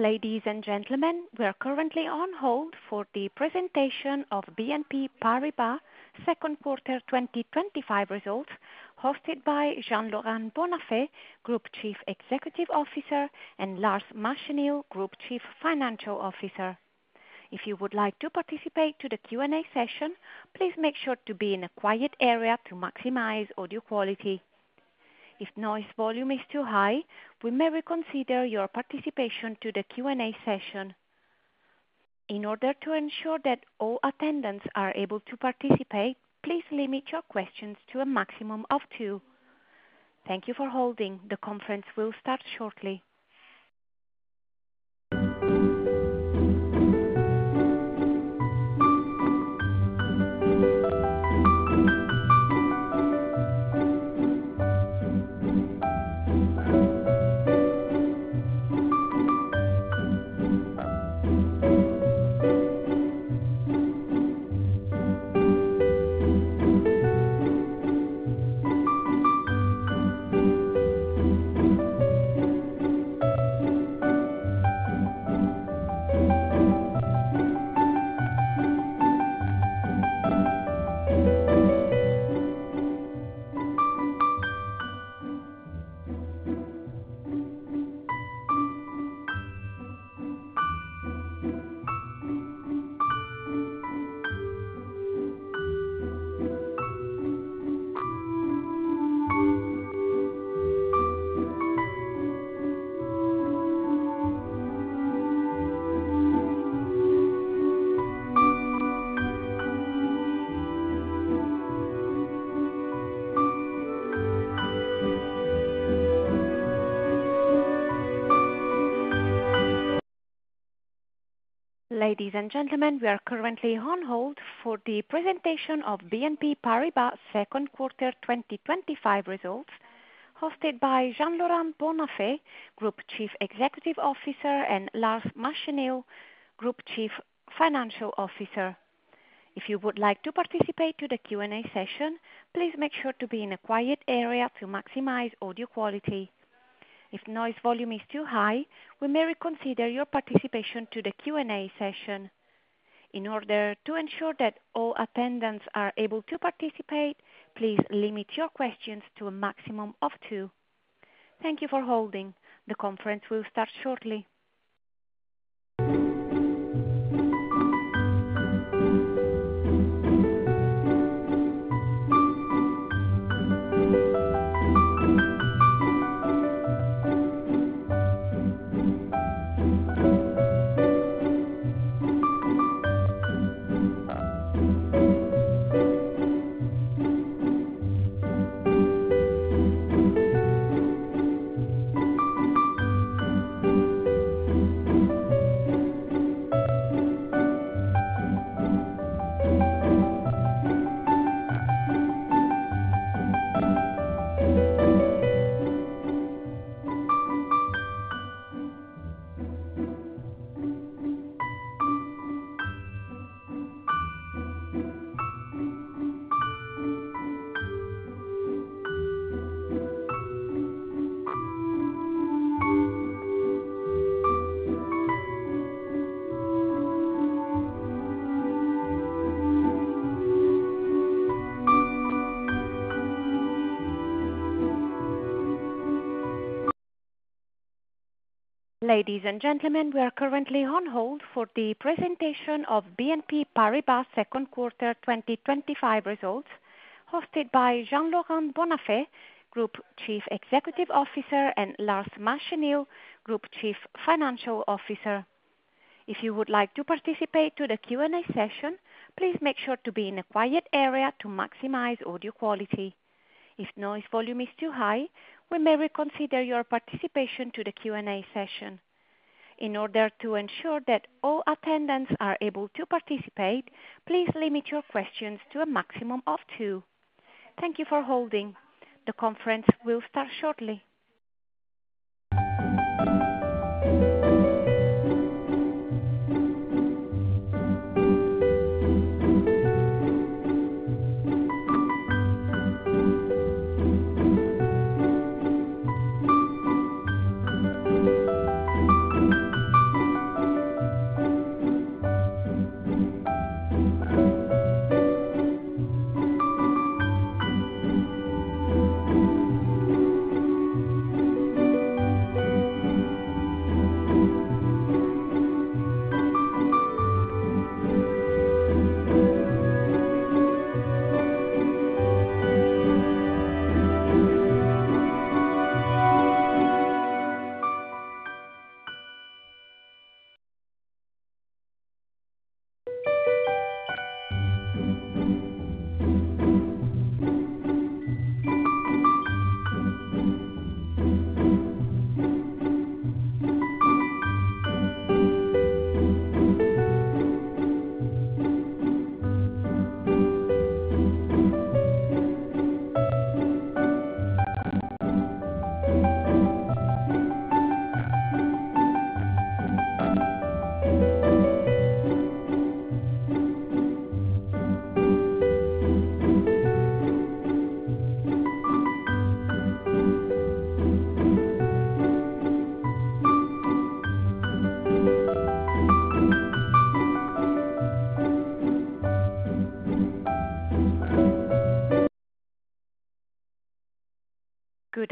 Ladies and gentlemen, we are currently on hold for the presentation of BNP Paribas second quarter 2025 results, hosted by Jean-Laurent Bonnafé, Group Chief Executive Officer, and Lars Machenil, Group Chief Financial Officer. If you would like to participate in the Q&A session, please make sure to be in a quiet area to maximize audio quality. If noise volume is too high, we may reconsider your participation in the Q&A session. In order to ensure that all attendants are able to participate, please limit your questions to a maximum of two. Thank you for holding. The conference will start shortly. Ladies and gentlemen, we are currently on hold for the presentation of BNP Paribas second quarter 2025 results, hosted by Jean-Laurent Bonnafé, Group Chief Executive Officer, and Lars Machenil, Group Chief Financial Officer. If you would like to participate in the Q&A session, please make sure to be in a quiet area to maximize audio quality. If noise volume is too high, we may reconsider your participation in the Q&A session. In order to ensure that all attendants are able to participate, please limit your questions to a maximum of two. Thank you for holding. The conference will start shortly. Ladies and gentlemen, we are currently on hold for the presentation of BNP Paribas second quarter 2025 results, hosted by Jean-Laurent Bonnafé, Group Chief Executive Officer, and Lars Machenil, Group Chief Financial Officer. If you would like to participate in the Q&A session, please make sure to be in a quiet area to maximize audio quality. If noise volume is too high, we may reconsider your participation in the Q&A session. In order to ensure that all attendants are able to participate, please limit your questions to a maximum of two. Thank you for holding. The conference will start shortly.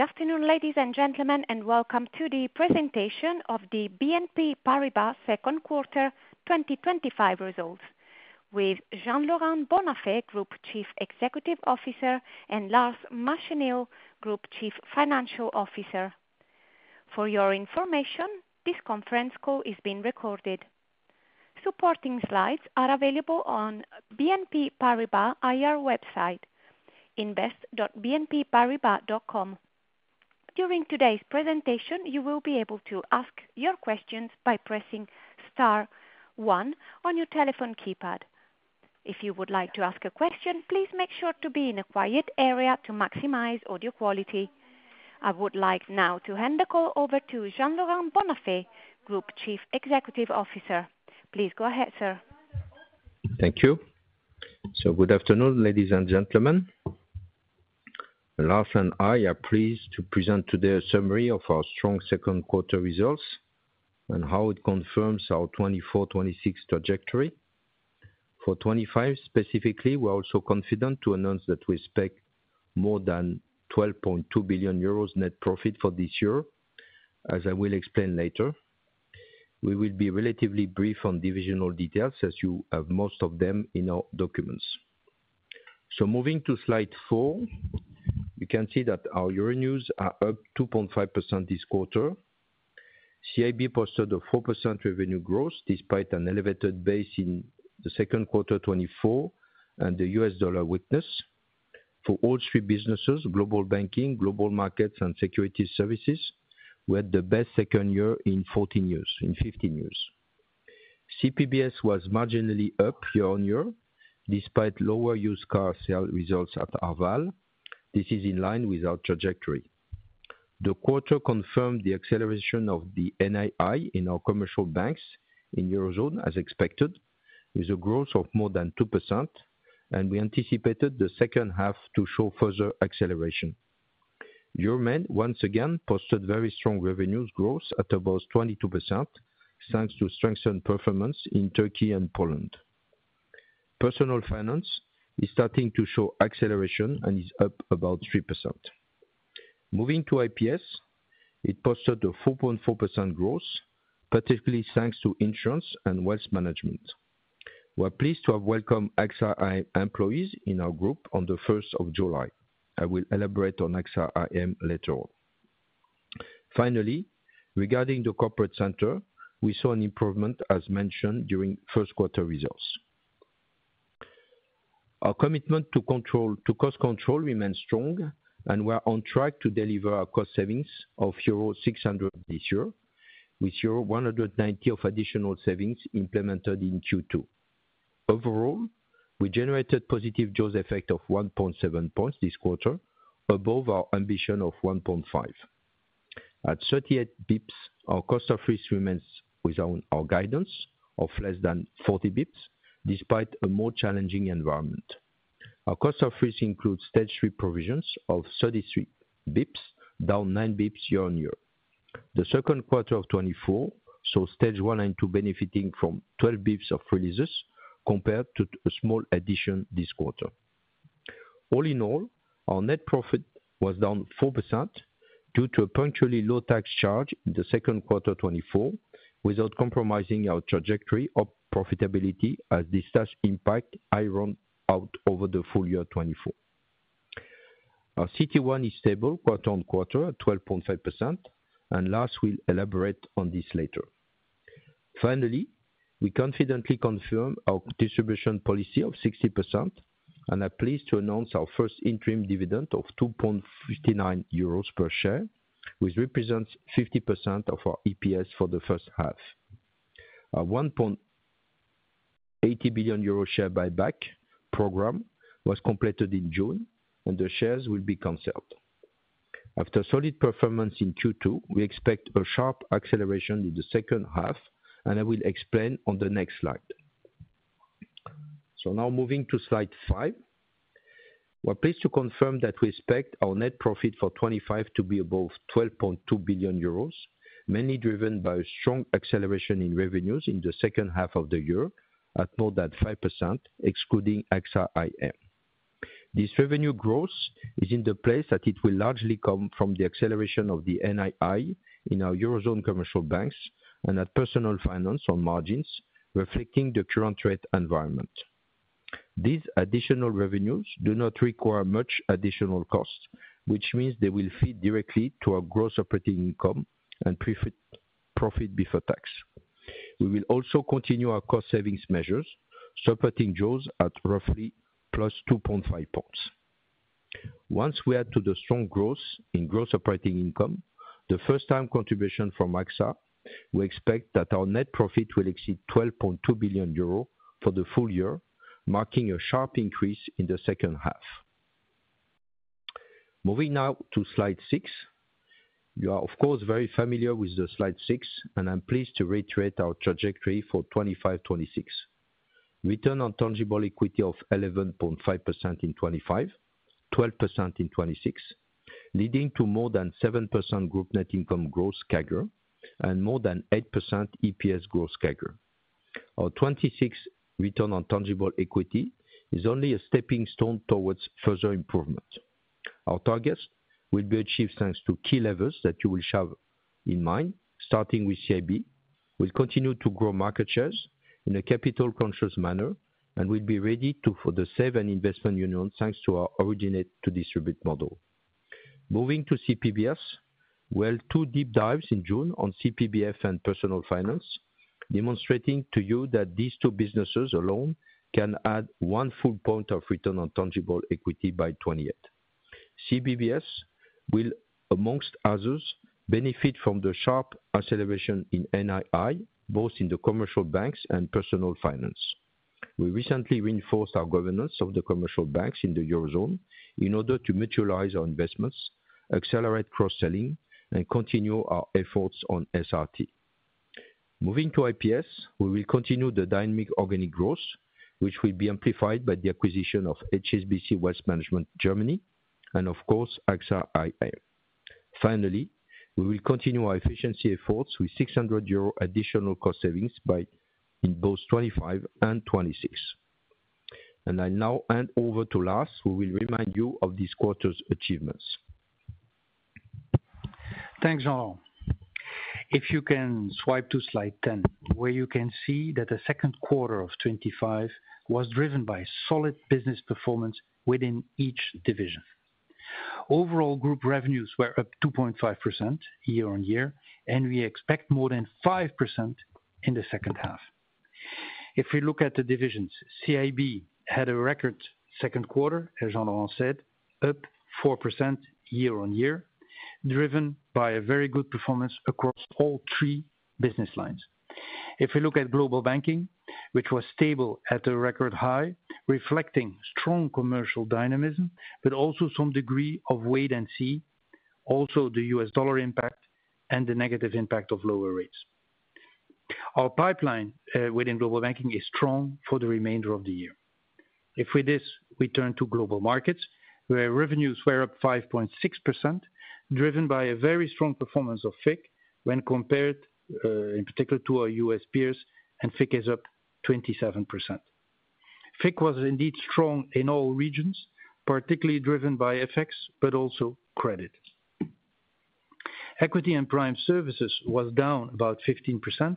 Good afternoon, ladies and gentlemen, and welcome to the presentation of the BNP Paribas second quarter 2025 results, with Jean-Laurent Bonnafé, Group Chief Executive Officer, and Lars Machenil, Group Chief Financial Officer. For your information, this conference call is being recorded. Supporting slides are available on BNP Paribas IR website, invest.bnpparibas.com. During today's presentation, you will be able to ask your questions by pressing *1 on your telephone keypad. If you would like to ask a question, please make sure to be in a quiet area to maximize audio quality. I would like now to hand the call over to Jean-Laurent Bonnafé, Group Chief Executive Officer. Please go ahead, sir. Thank you. Good afternoon, ladies and gentlemen. Lars and I are pleased to present today a summary of our strong second quarter results and how it confirms our 2024-2026 trajectory. For 2025 specifically, we are also confident to announce that we expect more than 12.2 billion euros net profit for this year, as I will explain later. We will be relatively brief on divisional details, as you have most of them in our documents. Moving to slide four. You can see that our revenues are up 2.5% this quarter. CIB posted a 4% revenue growth despite an elevated base in the second quarter 2024 and the U.S. dollar weakness. For all three businesses, Global Banking, Global Markets, and Securities Services, we had the best second quarter in 15 years. CPBS was marginally up year on year despite lower used car sales results at Arval. This is in line with our trajectory. The quarter confirmed the acceleration of the net interest income in our commercial banks in the Eurozone, as expected, with a growth of more than 2%, and we anticipate the second half to show further acceleration. Germany, once again, posted very strong revenue growth at about 22%, thanks to strengthened performance in Turkey and Poland. Personal Finance is starting to show acceleration and is up about 3%. Moving to IPS, it posted a 4.4% growth, particularly thanks to Insurance and Wealth Management. We are pleased to have welcomed AXA IM employees in our group on the 1st of July. I will elaborate on AXA IM later on. Finally, regarding the Corporate Center, we saw an improvement, as mentioned during first quarter results. Our commitment to cost control remains strong, and we are on track to deliver a cost savings of euro 600 million this year, with euro 190 million of additional savings implemented in Q2. Overall, we generated a positive operating jaws effect of 1.7 percentage points this quarter, above our ambition of 1.5. At 38 basis points, our cost of risk remains within our guidance of less than 40 basis points, despite a more challenging environment. Our cost of risk includes stage 3 provisions of 33 basis points, down 9 basis points year on year. The second quarter of 2024 saw stage 1 and two benefiting from 12 basis points of releases, compared to a small addition this quarter. All in all, our net profit was down 4% due to a punctually low tax charge in the second quarter 2024, without compromising our trajectory of profitability, as this tax impact ironed out over the full year 2024. Our CET1 is stable quarter on quarter at 12.5%, and Lars will elaborate on this later. Finally, we confidently confirm our distribution policy of 60%, and are pleased to announce our first interim dividend of 2.59 euros per share, which represents 50% of our EPS for the first half. Our 1.80 billion euro share buyback program was completed in June, and the shares will be canceled. After solid performance in Q2, we expect a sharp acceleration in the second half, and I will explain on the next slide. Now, moving to slide five. We are pleased to confirm that we expect our net profit for 2025 to be above 12.2 billion euros, mainly driven by a strong acceleration in revenues in the second half of the year at more than 5%, excluding AXA IM. This revenue growth is in the place that it will largely come from the acceleration of the NII in our Eurozone commercial banks and at personal finance on margins, reflecting the current rate environment. These additional revenues do not require much additional cost, which means they will feed directly to our gross operating income and profit before tax. We will also continue our cost savings measures, supporting operating jaws at roughly +2.5 percentage points. Once we add to the strong growth in gross operating income, the first-time contribution from AXA Investment Managers, we expect that our net profit will exceed 12.2 billion euro for the full year, marking a sharp increase in the second half. Moving now to slide six. You are, of course, very familiar with slide six, and I am pleased to reiterate our trajectory for 2025-2026. Return on tangible equity of 11.5% in 2025, 12% in 2026, leading to more than 7% group net income growth CAGR and more than 8% EPS growth CAGR. Our 2026 return on tangible equity is only a stepping stone towards further improvement. Our targets will be achieved thanks to key levers that you will have in mind, starting with CIB. We will continue to grow market shares in a capital-conscious manner and will be ready for the Save and Invest Union thanks to our originate-to-distribute model. Moving to CPBS, we had two deep dives in June on CPBS and personal finance, demonstrating to you that these two businesses alone can add one full percentage point of return on tangible equity by 2028. CPBS will, amongst others, benefit from the sharp acceleration in NII, both in the commercial banks and personal finance. We recently reinforced our governance of the commercial banks in the Eurozone in order to maturize our investments, accelerate cross-selling, and continue our efforts on Significant Risk Transfer. Moving to IPS, we will continue the dynamic organic growth, which will be amplified by the acquisition of HSBC Wealth Management Germany and, of course, AXA IM. Finally, we will continue our efficiency efforts with 600 million euro additional cost savings in both 2025 and 2026. I now hand over to Lars, who will remind you of this quarter's achievements. Thanks, Laurent. If you can swipe to slide 10, where you can see that the second quarter of 2025 was driven by solid business performance within each division. Overall, group revenues were up 2.5% year on year, and we expect more than 5% in the second half. If we look at the divisions, CIB had a record second quarter, as Laurent said, up 4% year on year, driven by a very good performance across all three business lines. If we look at Global Banking, which was stable at a record high, reflecting strong commercial dynamism, but also some degree of wait and see, also the U.S. dollar impact and the negative impact of lower rates. Our pipeline within Global Banking is strong for the remainder of the year. If with this we turn to Global Markets, where revenues were up 5.6%, driven by a very strong performance of FICC when compared, in particular, to our U.S. peers, and FICC is up 27%. FICC was indeed strong in all regions, particularly driven by FX, but also credit. Equity and prime services was down about 15%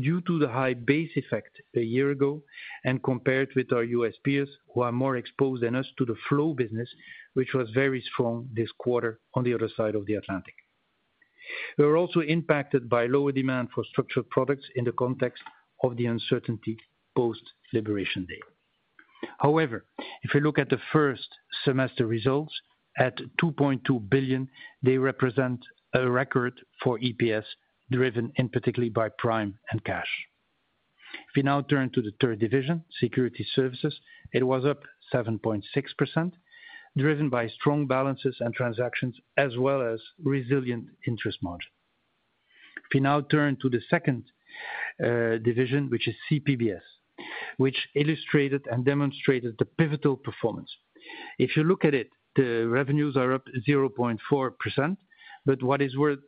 due to the high base effect a year ago, and compared with our U.S. peers who are more exposed than us to the flow business, which was very strong this quarter on the other side of the Atlantic. We were also impacted by lower demand for structured products in the context of the uncertainty post-liberation day. However, if we look at the first semester results at 2.2 billion, they represent a record for EPS driven, in particular, by prime and cash. If we now turn to the third division, Securities Services, it was up 7.6%, driven by strong balances and transactions, as well as resilient interest margin. If we now turn to the second division, which is CPBS, which illustrated and demonstrated the pivotal performance. If you look at it, the revenues are up 0.4%, but what is worth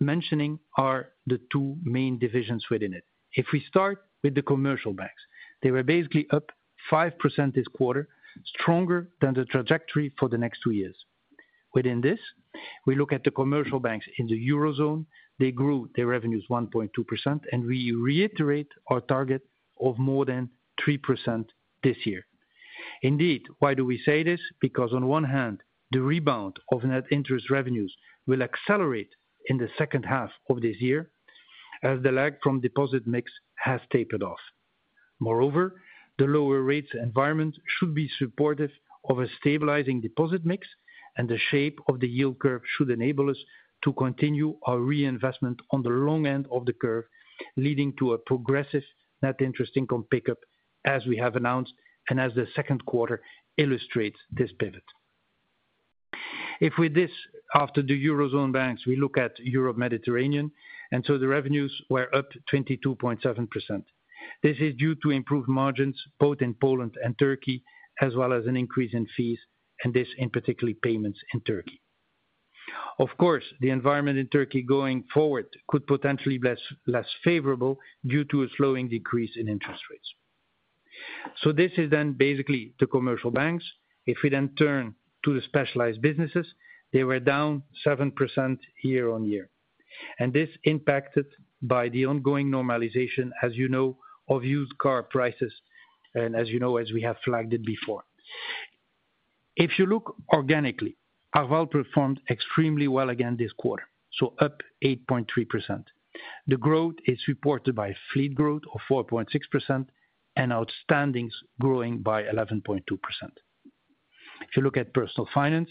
mentioning are the two main divisions within it. If we start with the commercial banks, they were basically up 5% this quarter, stronger than the trajectory for the next two years. Within this, we look at the commercial banks in the Eurozone. They grew their revenues 1.2%, and we reiterate our target of more than 3% this year. Indeed, why do we say this? Because, on one hand, the rebound of net interest revenues will accelerate in the second half of this year, as the lag from deposit mix has tapered off. Moreover, the lower rates environment should be supportive of a stabilizing deposit mix, and the shape of the yield curve should enable us to continue our reinvestment on the long end of the curve, leading to a progressive net interest income pickup, as we have announced, and as the second quarter illustrates this pivot. If with this, after the Eurozone banks, we look at Europe-Mediterranean, and so the revenues were up 22.7%. This is due to improved margins both in Poland and Turkey, as well as an increase in fees, and this, in particular, payments in Turkey. Of course, the environment in Turkey going forward could potentially be less favorable due to a slowing decrease in interest rates. This is then basically the commercial banks. If we then turn to the specialized businesses, they were down 7% year on year. This is impacted by the ongoing normalization, as you know, of used car prices, and as you know, as we have flagged it before. If you look organically, Arval performed extremely well again this quarter, up 8.3%. The growth is supported by fleet growth of 4.6% and outstandings growing by 11.2%. If you look at personal finance,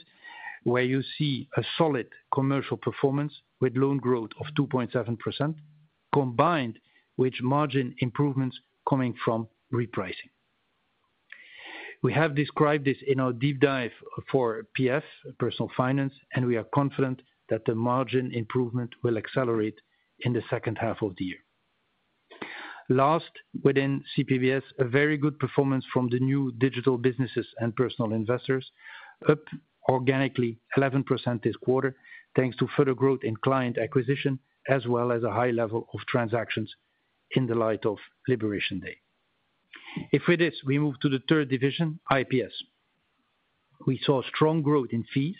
where you see a solid commercial performance with loan growth of 2.7% combined with margin improvements coming from repricing. We have described this in our deep dive for PF, personal finance, and we are confident that the margin improvement will accelerate in the second half of the year. Last, within CPBS, a very good performance from the new digital businesses and personal investors, up organically 11% this quarter, thanks to further growth in client acquisition, as well as a high level of transactions in the light of Liberation Day. If with this, we move to the third division, IPS. We saw strong growth in fees,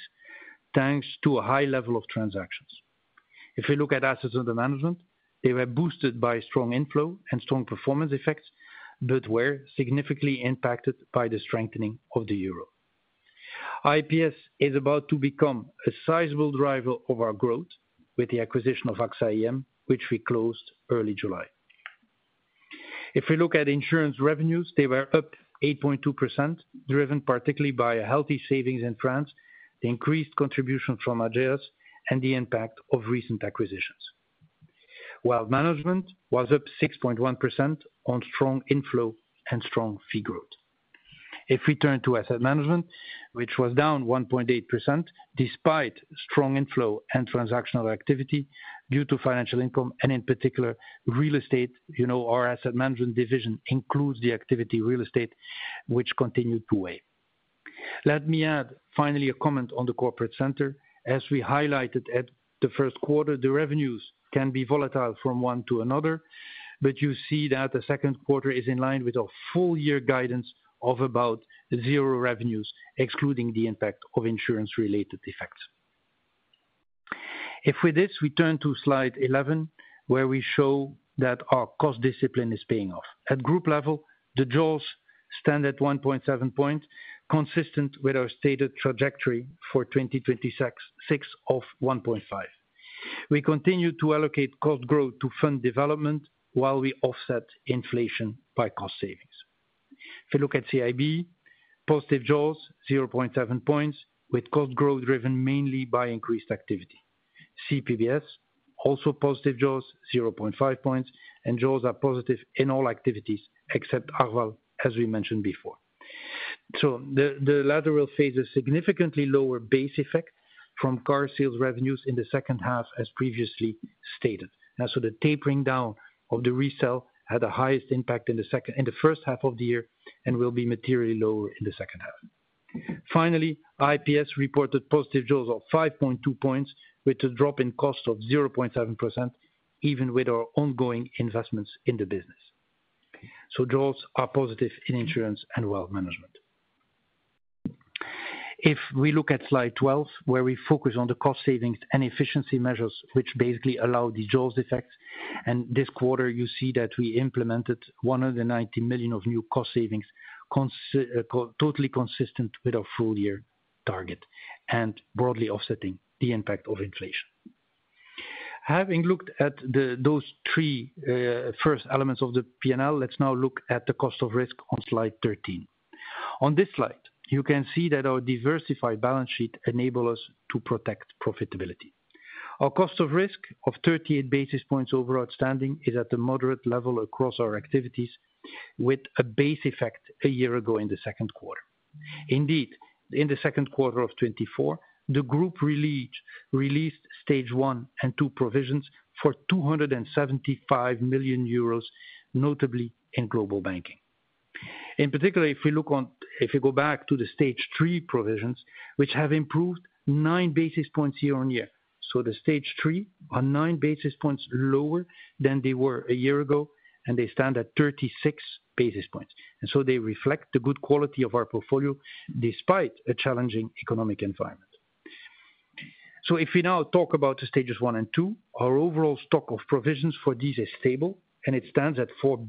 thanks to a high level of transactions. If we look at assets under management, they were boosted by strong inflow and strong performance effects, but were significantly impacted by the strengthening of the euro. IPS is about to become a sizable driver of our growth with the acquisition of AXA IM, which we closed early July. If we look at insurance revenues, they were up 8.2%, driven particularly by healthy savings in France, the increased contribution from Ageas, and the impact of recent acquisitions. Wealth management was up 6.1% on strong inflow and strong fee growth. If we turn to asset management, which was down 1.8% despite strong inflow and transactional activity due to financial income, and in particular, real estate, you know, our asset management division includes the activity real estate, which continued to weigh. Let me add finally a comment on the corporate center. As we highlighted at the first quarter, the revenues can be volatile from one to another, but you see that the second quarter is in line with our full year guidance of about zero revenues, excluding the impact of insurance-related effects. If with this, we turn to slide 11, where we show that our cost discipline is paying off. At group level, the operating jaws stand at 1.7 percentage points, consistent with our stated trajectory for 2026 of 1.5. We continue to allocate cost growth to fund development while we offset inflation by cost savings. If we look at CIB, positive operating jaws, 0.7 percentage points, with cost growth driven mainly by increased activity. CPBS, also positive jaws, 0.5 points, and jaws are positive in all activities except Arval, as we mentioned before. The latter faced significantly lower base effect from car sales revenues in the second half, as previously stated. The tapering down of the resale had the highest impact in the first half of the year and will be materially lower in the second half. Finally, IPS reported positive jaws of 5.2 percentage points, with a drop in cost of 0.7%, even with our ongoing investments in the business. Jaws are positive in insurance and wealth management. If we look at slide 12, where we focus on the cost savings and efficiency measures, which basically allow the jaws effects, this quarter, you see that we implemented 190 million of new cost savings. Totally consistent with our full year target and broadly offsetting the impact of inflation. Having looked at those three first elements of the P&L, let's now look at the cost of risk on slide 13. On this slide, you can see that our diversified balance sheet enables us to protect profitability. Our cost of risk of 38 basis points over outstanding is at a moderate level across our activities, with a base effect a year ago in the second quarter. Indeed, in the second quarter of 2024, the group released stage 1 and two provisions for 275 million euros, notably in global banking. In particular, if we go back to the stage 3 provisions, which have improved nine basis points year on year. The stage 3 are nine basis points lower than they were a year ago, and they stand at 36 basis points. They reflect the good quality of our portfolio despite a challenging economic environment. If we now talk about the stages 1 and 2, our overall stock of provisions for these is stable, and it stands at 4.1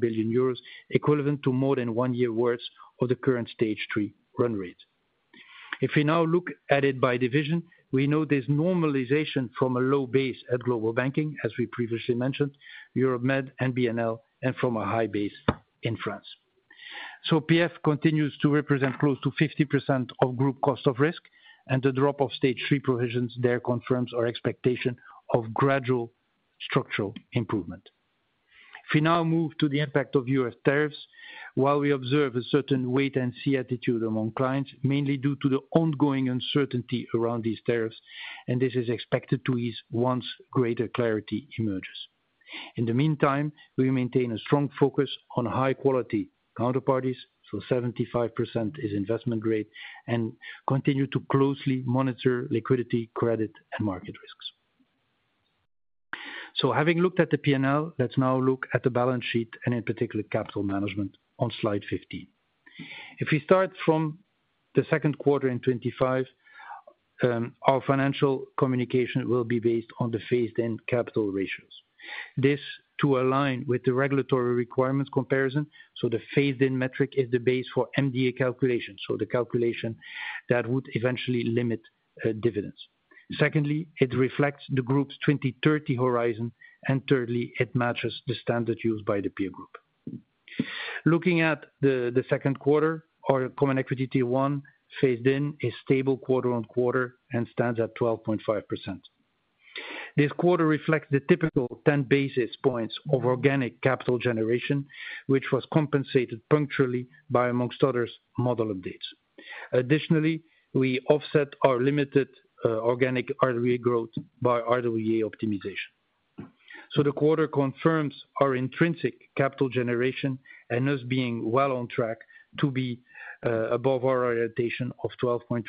billion euros, equivalent to more than one year worth of the current stage 3 run rate. If we now look at it by division, we know there's normalization from a low base at global banking, as we previously mentioned, Euro-Med and BNL, and from a high base in France. PF continues to represent close to 50% of group cost of risk, and the drop of stage 3 provisions there confirms our expectation of gradual structural improvement. If we now move to the impact of U.S. tariffs, we observe a certain wait and see attitude among clients, mainly due to the ongoing uncertainty around these tariffs, and this is expected to ease once greater clarity emerges. In the meantime, we maintain a strong focus on high-quality counterparties, so 75% is investment grade, and continue to closely monitor liquidity, credit, and market risks. Having looked at the P&L, let's now look at the balance sheet and, in particular, capital management on slide 15. If we start from the second quarter in 2025. Our financial communication will be based on the phased-in capital ratios. This is to align with the regulatory requirements comparison. The phased-in metric is the base for MDA calculation, so the calculation that would eventually limit dividends. Secondly, it reflects the group's 2030 horizon, and thirdly, it matches the standard used by the peer group. Looking at the second quarter, our common equity tier 1 phased-in is stable quarter on quarter and stands at 12.5%. This quarter reflects the typical 10 basis points of organic capital generation, which was compensated punctually by, amongst others, model updates. Additionally, we offset our limited organic R&D growth by RWA optimization. The quarter confirms our intrinsic capital generation and us being well on track to be above our orientation of 12.3%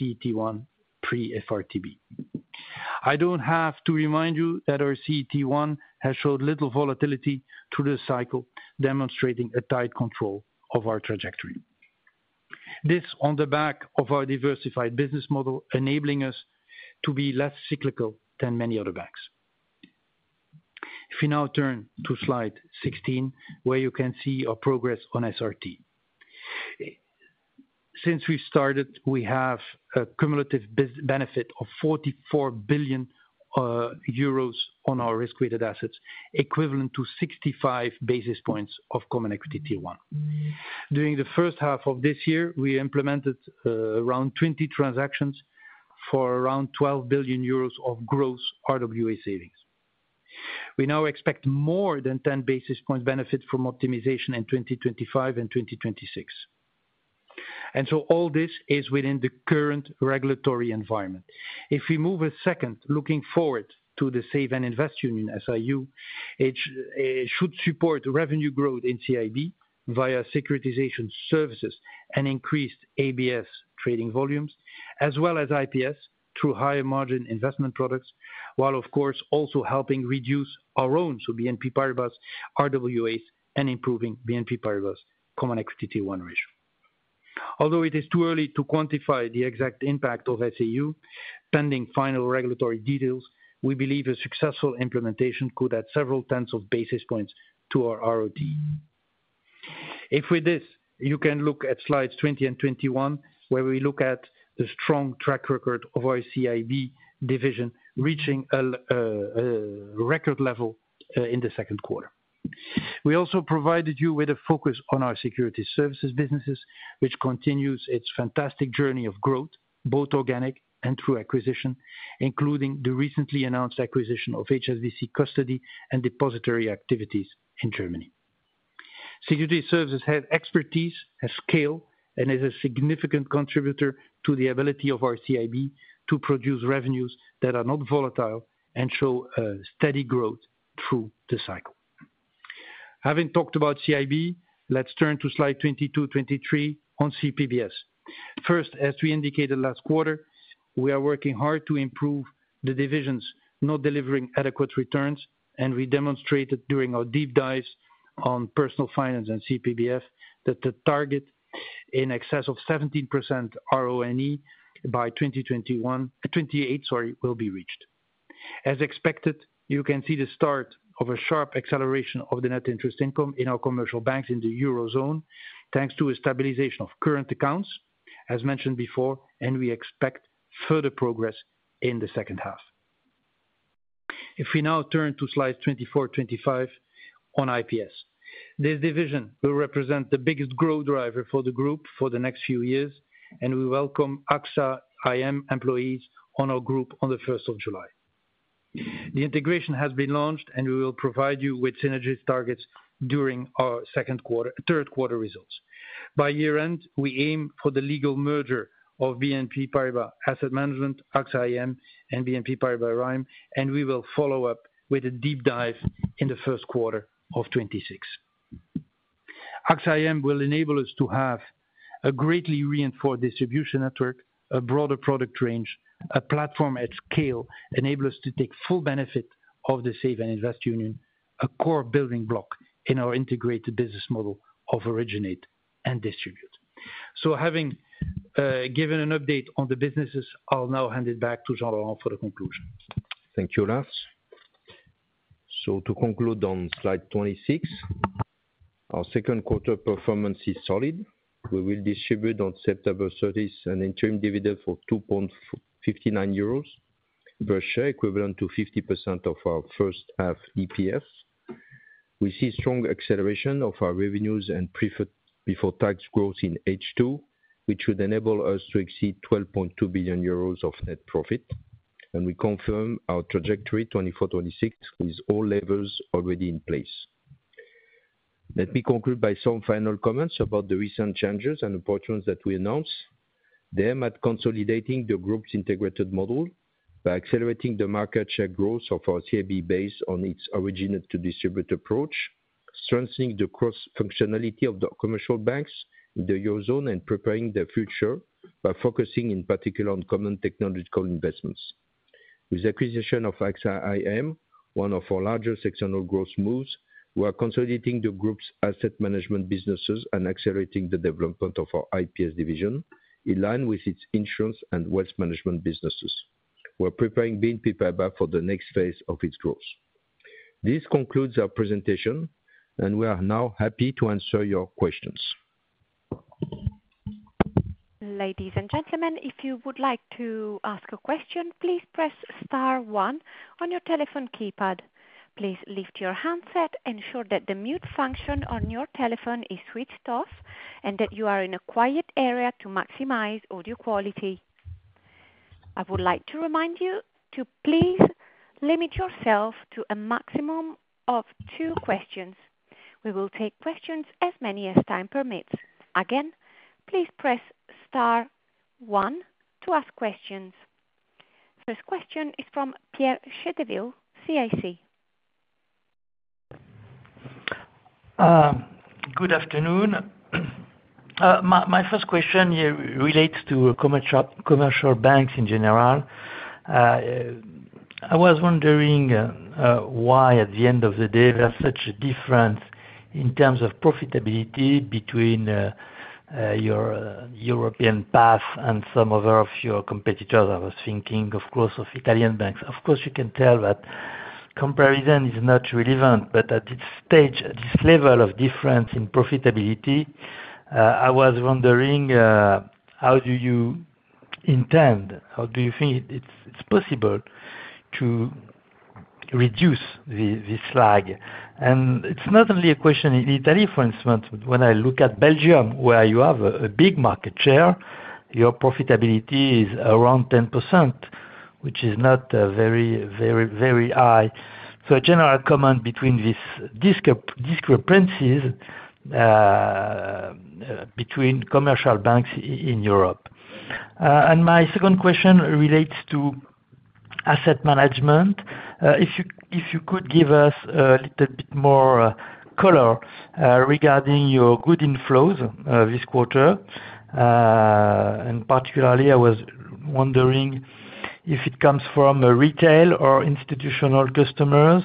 CET1 pre-FRTB. I do not have to remind you that our CET1 has showed little volatility through the cycle, demonstrating a tight control of our trajectory. This is on the back of our diversified business model, enabling us to be less cyclical than many other banks. If we now turn to slide 16, where you can see our progress on SRT. Since we started, we have a cumulative benefit of 44 billion euros on our risk-weighted assets, equivalent to 65 basis points of common equity tier 1. During the first half of this year, we implemented around 20 transactions for around 12 billion euros of gross RWA savings. We now expect more than 10 basis points benefit from optimization in 2025 and 2026. All this is within the current regulatory environment. If we move a second, looking forward to the Save and Invest Union, SIU, it should support revenue growth in CIB via securitization services and increased ABS trading volumes, as well as IPS through higher margin investment products, while, of course, also helping reduce our own, so BNP Paribas RWAs, and improving BNP Paribas common equity tier 1 ratio. Although it is too early to quantify the exact impact of SIU, pending final regulatory details, we believe a successful implementation could add several tens of basis points to our ROTE. With this, you can look at slides 20 and 21, where we look at the strong track record of our CIB division reaching a record level in the second quarter. We also provided you with a focus on our securities services businesses, which continues its fantastic journey of growth, both organic and through acquisition, including the recently announced acquisition of HSBC Custody and Depository activities in Germany. Securities services have expertise, have scale, and are a significant contributor to the ability of our CIB to produce revenues that are not volatile and show steady growth through the cycle. Having talked about CIB, let's turn to slide 22, 23 on CPBS. First, as we indicated last quarter, we are working hard to improve the divisions not delivering adequate returns, and we demonstrated during our deep dives on personal finance and CPBS that the target in excess of 17% RONE by 2028, sorry, will be reached. As expected, you can see the start of a sharp acceleration of the net interest income in our commercial banks in the eurozone, thanks to a stabilization of current accounts, as mentioned before, and we expect further progress in the second half. If we now turn to slides 24, 25 on IPS, this division will represent the biggest growth driver for the group for the next few years, and we welcome AXA IM employees on our group on July 1st. The integration has been launched, and we will provide you with synergies targets during our second quarter, third quarter results. By year-end, we aim for the legal merger of BNP Paribas Asset Management, AXA IM, and BNP Paribas Rhyme, and we will follow up with a deep dive in the first quarter of 2026. AXA IM will enable us to have a greatly reinforced distribution network, a broader product range, a platform at scale enables us to take full benefit of the Save and Invest Union, a core building block in our integrated business model of originate and distribute. Having given an update on the businesses, I'll now hand it back to Jean-Laurent for the conclusion. Thank you, Lars. To conclude on slide 26. Our second quarter performance is solid. We will distribute on September 30 an interim dividend for 2.59 euros per share, equivalent to 50% of our first half EPS. We see strong acceleration of our revenues and preferred before tax growth in H2, which would enable us to exceed 12.2 billion euros of net profit. We confirm our trajectory 2024-2026 with all levers already in place. Let me conclude by some final comments about the recent changes and opportunities that we announced. They are consolidating the group's integrated model by accelerating the market share growth of our CIB based on its originate to distribute approach, strengthening the cross-functionality of the commercial banks in the eurozone, and preparing the future by focusing in particular on common technological investments. With the acquisition of AXA IM, one of our largest external growth moves, we are consolidating the group's asset management businesses and accelerating the development of our IPS division in line with its insurance and wealth management businesses. We are preparing BNP Paribas for the next phase of its growth. This concludes our presentation, and we are now happy to answer your questions. Ladies and gentlemen, if you would like to ask a question, please press star one on your telephone keypad. Please lift your handset, ensure that the mute function on your telephone is switched off, and that you are in a quiet area to maximize audio quality. I would like to remind you to please limit yourself to a maximum of two questions. We will take questions as many as time permits. Again, please press star one to ask questions. First question is from Pierre Chédeville, CIC. Good afternoon. My first question relates to commercial banks in general. I was wondering. Why, at the end of the day, there is such a difference in terms of profitability between your European path and some other of your competitors. I was thinking, of course, of Italian banks. Of course, you can tell that comparison is not relevant, but at this stage, at this level of difference in profitability, I was wondering. How do you intend, how do you think it is possible to reduce this lag? And it is not only a question in Italy, for instance, but when I look at Belgium, where you have a big market share, your profitability is around 10%, which is not very, very, very high. A general comment between these discrepancies between commercial banks in Europe. And my second question relates to asset management. If you could give us a little bit more color regarding your good inflows this quarter. And particularly, I was wondering if it comes from retail or institutional customers,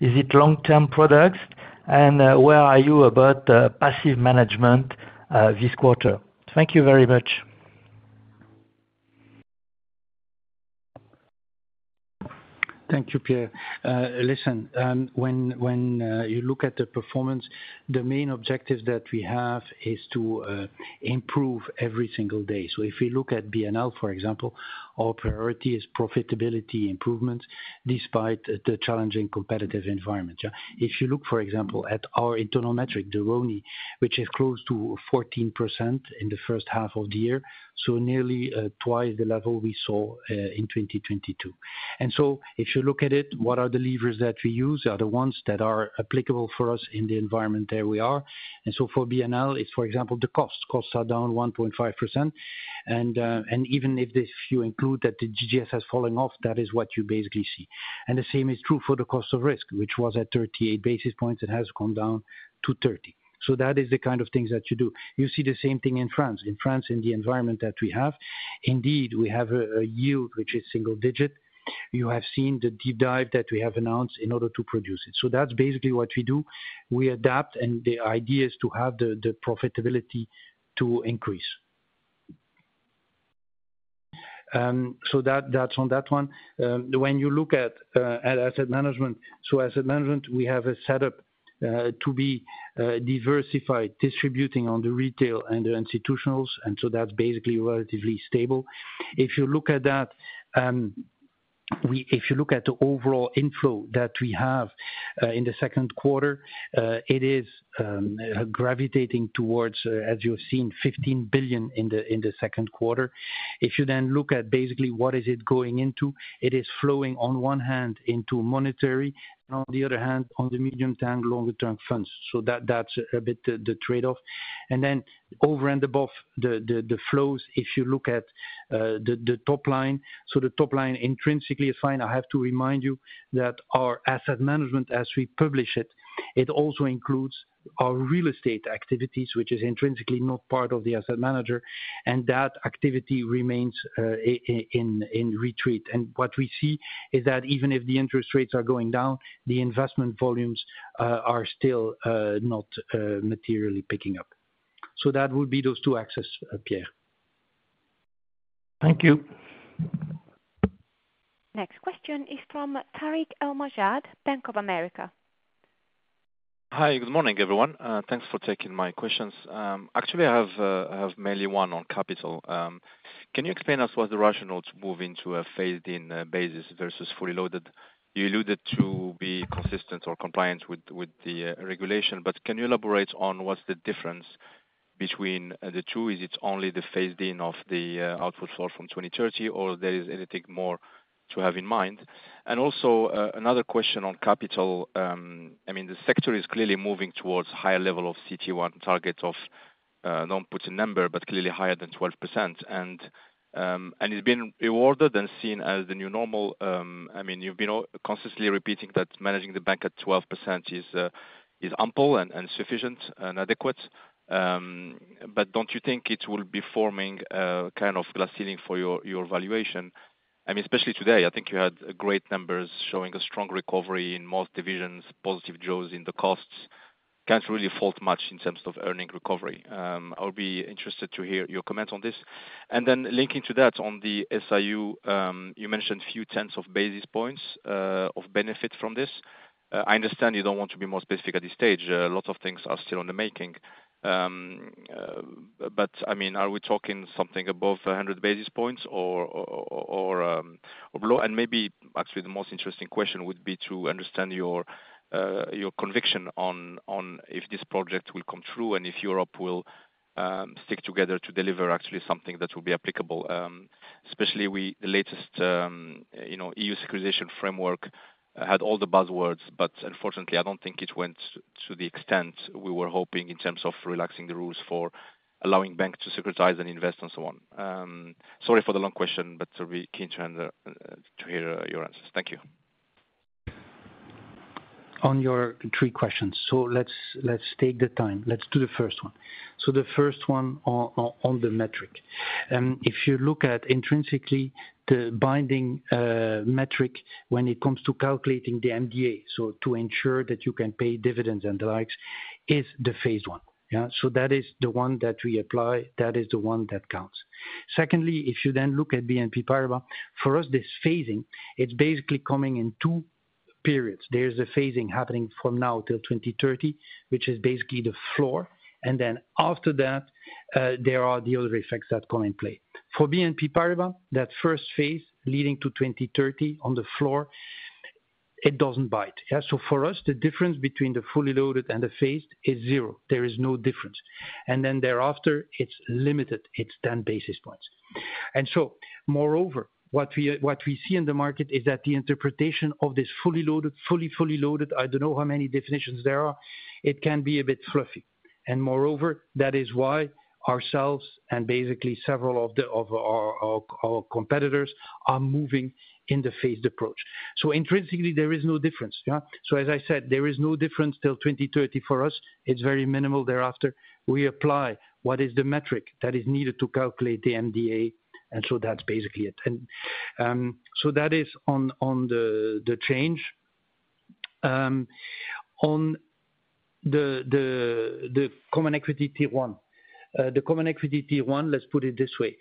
is it long-term products, and where are you about passive management this quarter? Thank you very much. Thank you, Pierre. Listen, when you look at the performance, the main objective that we have is to improve every single day. If we look at BNL, for example, our priority is profitability improvements despite the challenging competitive environment. If you look, for example, at our internal metric, the RONI, which is close to 14% in the first half of the year, so nearly twice the level we saw in 2022. If you look at it, what are the levers that we use? They are the ones that are applicable for us in the environment where we are. For BNL, it is, for example, the cost. Costs are down 1.5%. Even if you include that the GGS has fallen off, that is what you basically see. The same is true for the cost of risk, which was at 38 basis points. It has gone down to 30 basis points. That is the kind of things that you do. You see the same thing in France. In France, in the environment that we have, indeed, we have a yield which is single-digit. You have seen the deep dive that we have announced in order to produce it. That is basically what we do. We adapt, and the idea is to have the profitability to increase. That is on that one. When you look at asset management, asset management, we have a setup to be diversified, distributing on the retail and the institutionals, and that is basically relatively stable. If you look at that. If you look at the overall inflow that we have in the second quarter, it is gravitating towards, as you've seen, 15 billion in the second quarter. If you then look at basically what is it going into, it is flowing on one hand into monetary and on the other hand, on the medium-term, longer-term funds. That's a bit the trade-off. Over and above the flows, if you look at the top line, the top line intrinsically is fine. I have to remind you that our asset management, as we publish it, also includes our real estate activities, which is intrinsically not part of the asset manager, and that activity remains in retreat. What we see is that even if the interest rates are going down, the investment volumes are still not materially picking up. That would be those two axes, Pierre. Thank you. Next question is from Tarik El Mejjad, Bank of America. Hi, good morning, everyone. Thanks for taking my questions. Actually, I have mainly one on capital. Can you explain to us what the rationale to move into a phased-in basis versus fully loaded? You alluded to be consistent or compliant with the regulation, but can you elaborate on what's the difference between the two? Is it only the phased-in of the output floor from 2030, or is there anything more to have in mind? Also, another question on capital. I mean, the sector is clearly moving towards a higher level of CET1 target of, don't put a number, but clearly higher than 12%. It's been rewarded and seen as the new normal. I mean, you've been consistently repeating that managing the bank at 12% is ample and sufficient and adequate. Don't you think it will be forming a kind of glass ceiling for your valuation? I mean, especially today, I think you had great numbers showing a strong recovery in most divisions, positive growth in the costs. Can't really fault much in terms of earning recovery. I would be interested to hear your comments on this. Linking to that on the SIU, you mentioned a few tens of basis points of benefit from this. I understand you don't want to be more specific at this stage. A lot of things are still in the making. Are we talking something above 100 basis points or below? Maybe actually the most interesting question would be to understand your conviction on if this project will come true and if Europe will stick together to deliver actually something that will be applicable. Especially the latest EU securitization framework had all the buzzwords, but unfortunately, I don't think it went to the extent we were hoping in terms of relaxing the rules for allowing banks to securitize and invest and so on. Sorry for the long question, but I'll be keen to hear your answers. Thank you. On your three questions, let's take the time. Let's do the first one. The first one on the metric. If you look at intrinsically the binding metric when it comes to calculating the MDA, to ensure that you can pay dividends and the likes, is the phased one. That is the one that we apply. That is the one that counts. Secondly, if you then look at BNP Paribas, for us, this phasing, it is basically coming in two periods. There is a phasing happening from now till 2030, which is basically the floor. After that, there are the other effects that come in play. For BNP Paribas, that first phase leading to 2030 on the floor, it does not bite. For us, the difference between the fully loaded and the phased is zero. There is no difference. Thereafter, it is limited. It is 10 basis points. Moreover, what we see in the market is that the interpretation of this fully loaded, fully, fully loaded, I do not know how many definitions there are, it can be a bit fluffy. Moreover, that is why ourselves and basically several of our competitors are moving in the phased approach. Intrinsically, there is no difference. As I said, there is no difference till 2030 for us. It is very minimal thereafter. We apply what is the metric that is needed to calculate the MDA, and that is basically it. That is on the change on the Common Equity Tier 1. The Common Equity Tier 1, let us put it this way.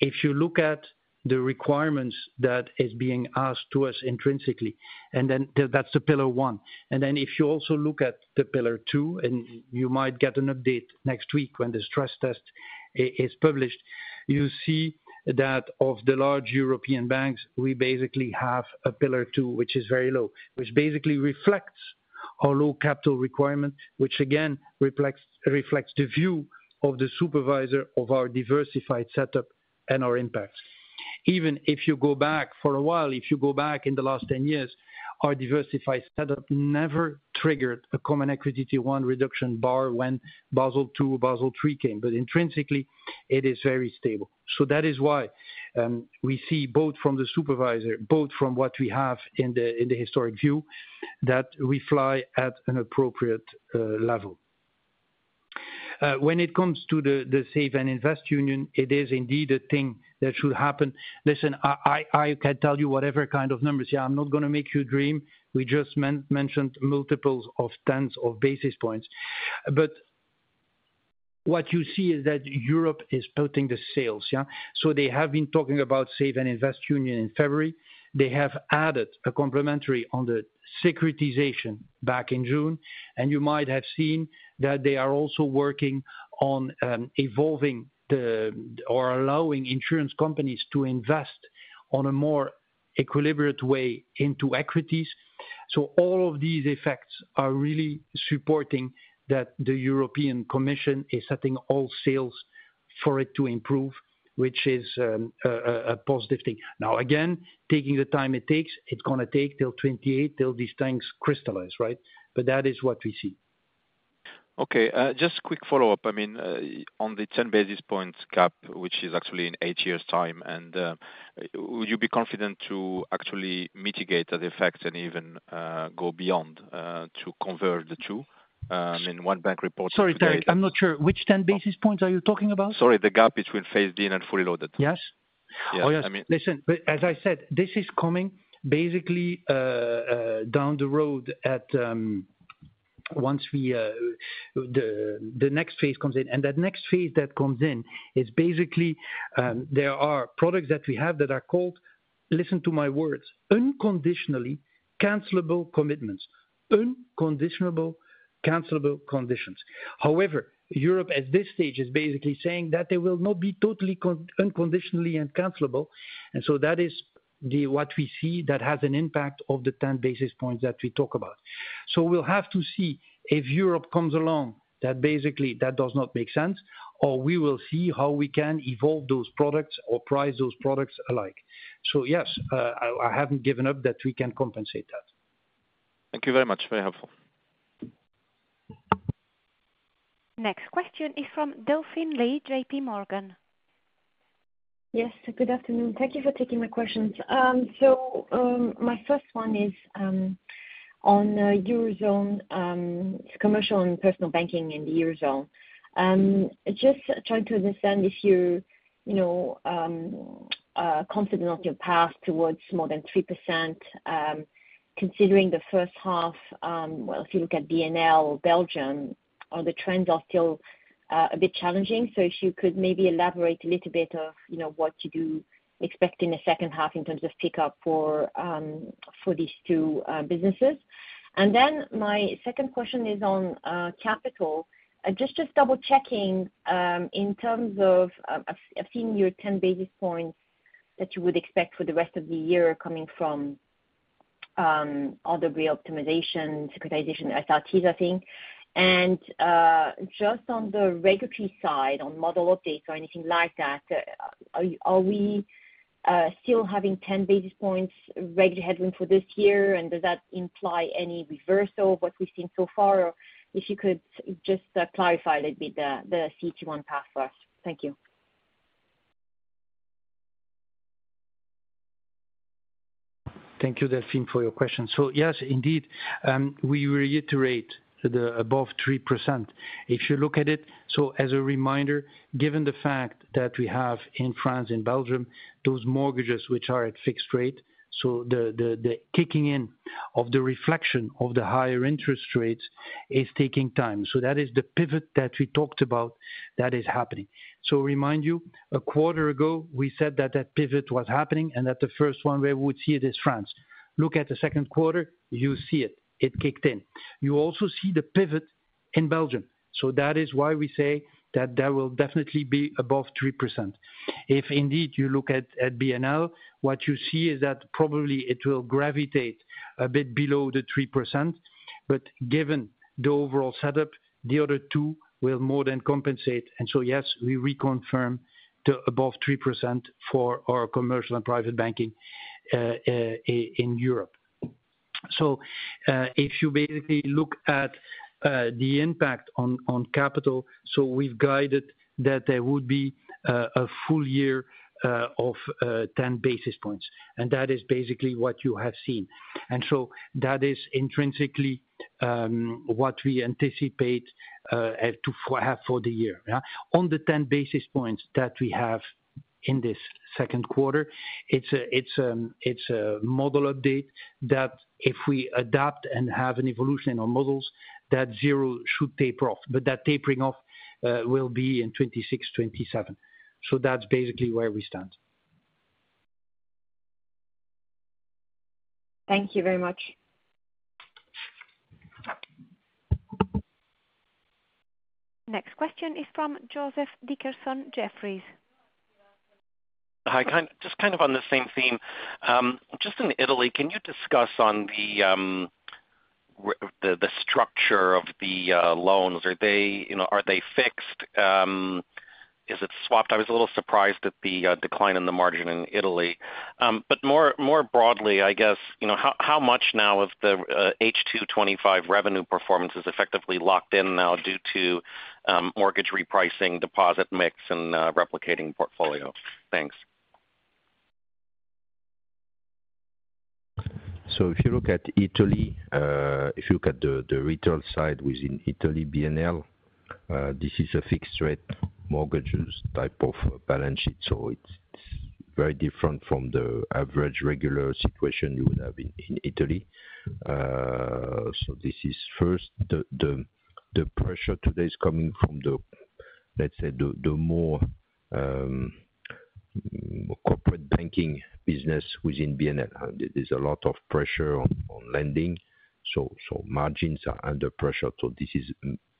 If you look at the requirements that are being asked to us intrinsically, that is the pillar one. If you also look at the pillar two, and you might get an update next week when the stress test is published, you see that of the large European banks, we basically have a pillar two, which is very low, which basically reflects our low capital requirement, which again reflects the view of the supervisor of our diversified setup and our impact. Even if you go back for a while, if you go back in the last 10 years, our diversified setup never triggered a Common Equity Tier 1 reduction bar when Basel II, Basel III came. Intrinsically, it is very stable. That is why we see both from the supervisor, both from what we have in the historic view, that we fly at an appropriate level. When it comes to the Save and Invest Union, it is indeed a thing that should happen. Listen, I can tell you whatever kind of numbers. Yeah, I am not going to make you dream. We just mentioned multiples of tens of basis points. What you see is that Europe is putting the sails. They have been talking about Save and Invest Union in February. They have added a complementary on the securitization back in June. You might have seen that they are also working on evolving or allowing insurance companies to invest on a more equilibrium way into equities. So all of these effects are really supporting that the European Commission is setting all sails for it to improve, which is a positive thing. Now, again, taking the time it takes, it's going to take till 2028 till these things crystallize, right? That is what we see. Okay. Just a quick follow-up. I mean, on the 10 basis points gap, which is actually in eight years' time. Would you be confident to actually mitigate that effect and even go beyond to convert the two? I mean, one bank report. Sorry, Tarik, I'm not sure. Which 10 basis points are you talking about? Sorry, the gap between phased-in and fully loaded. Yes. Oh, yes. Listen, as I said, this is coming basically down the road at once we, the next phase comes in. That next phase that comes in is basically, there are products that we have that are called, listen to my words, unconditionally cancelable commitments, unconditional cancelable conditions. However, Europe at this stage is basically saying that they will not be totally unconditionally and cancelable. That is what we see that has an impact of the 10 basis points that we talk about. We will have to see if Europe comes along that basically that does not make sense, or we will see how we can evolve those products or price those products alike. Yes, I haven't given up that we can compensate that. Thank you very much. Very helpful. Next question is from Delphine Lee, JPMorgan. Yes, good afternoon. Thank you for taking my questions. My first one is on Eurozone. Commercial and personal banking in the Eurozone. Just trying to understand if you're confident on your path towards more than 3%. Considering the first half, if you look at BNL, Belgium, the trends are still a bit challenging. If you could maybe elaborate a little bit of what you do expect in the second half in terms of pickup for these two businesses. My second question is on capital. Just double-checking. In terms of, I've seen your 10 basis points that you would expect for the rest of the year coming from audit reoptimization, securitization, SRTs, I think. Just on the regulatory side, on model updates or anything like that. Are we still having 10 basis points regulatory headroom for this year? Does that imply any reversal of what we've seen so far? If you could just clarify a little bit the CET1 path for us. Thank you. Thank you, Delphine, for your question. Yes, indeed, we reiterate the above 3%. If you look at it, as a reminder, given the fact that we have in France and Belgium those mortgages which are at fixed rate, the kicking in of the reflection of the higher interest rates is taking time. That is the pivot that we talked about that is happening. Remind you, a quarter ago, we said that that pivot was happening and that the first one where we would see it is France. Look at the second quarter, you see it. It kicked in. You also see the pivot in Belgium. That is why we say that there will definitely be above 3%. If indeed you look at BNL, what you see is that probably it will gravitate a bit below the 3%. Given the overall setup, the other two will more than compensate. Yes, we reconfirm the above 3% for our commercial and private banking in Europe. If you basically look at the impact on capital, we have guided that there would be a full year of 10 basis points. That is basically what you have seen. That is intrinsically what we anticipate to have for the year. On the 10 basis points that we have in this second quarter, it's a model update that if we adapt and have an evolution in our models, that zero should taper off. That tapering off will be in 2026, 2027. That is basically where we stand. Thank you very much. Next question is from Joseph Dickerson, Jefferies. Hi, just kind of on the same theme. In Italy, can you discuss the structure of the loans? Are they fixed? Is it swapped? I was a little surprised at the decline in the margin in Italy. More broadly, I guess, how much now of the H225 revenue performance is effectively locked in now due to mortgage repricing, deposit mix, and replicating portfolio? Thanks. If you look at Italy, if you look at the retail side within Italy, BNL, this is a fixed-rate mortgage type of balance sheet. It is very different from the average regular situation you would have in Italy. This is first, the pressure today is coming from, let's say, the more corporate banking business within BNL. There is a lot of pressure on lending. Margins are under pressure. This is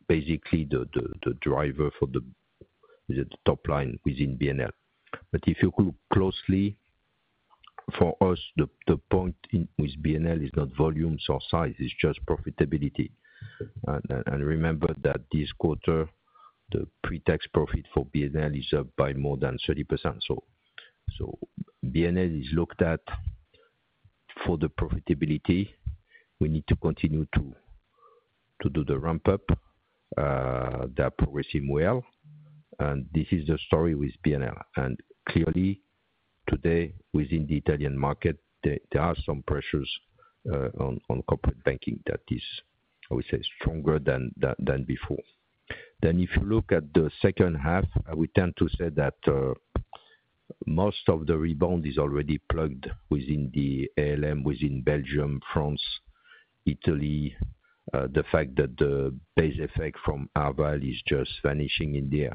basically the driver for the top line within BNL. If you look closely, for us, the point with BNL is not volumes or size. It's just profitability. Remember that this quarter, the pre-tax profit for BNL is up by more than 30%. BNL is looked at for the profitability. We need to continue to do the ramp-up. That is progressing well. This is the story with BNL. Clearly, today, within the Italian market, there are some pressures on corporate banking that are, I would say, stronger than before. If you look at the second half, I would tend to say that most of the rebound is already plugged within the ALM, within Belgium, France, Italy. The fact that the base effect from Arval is just vanishing in the air.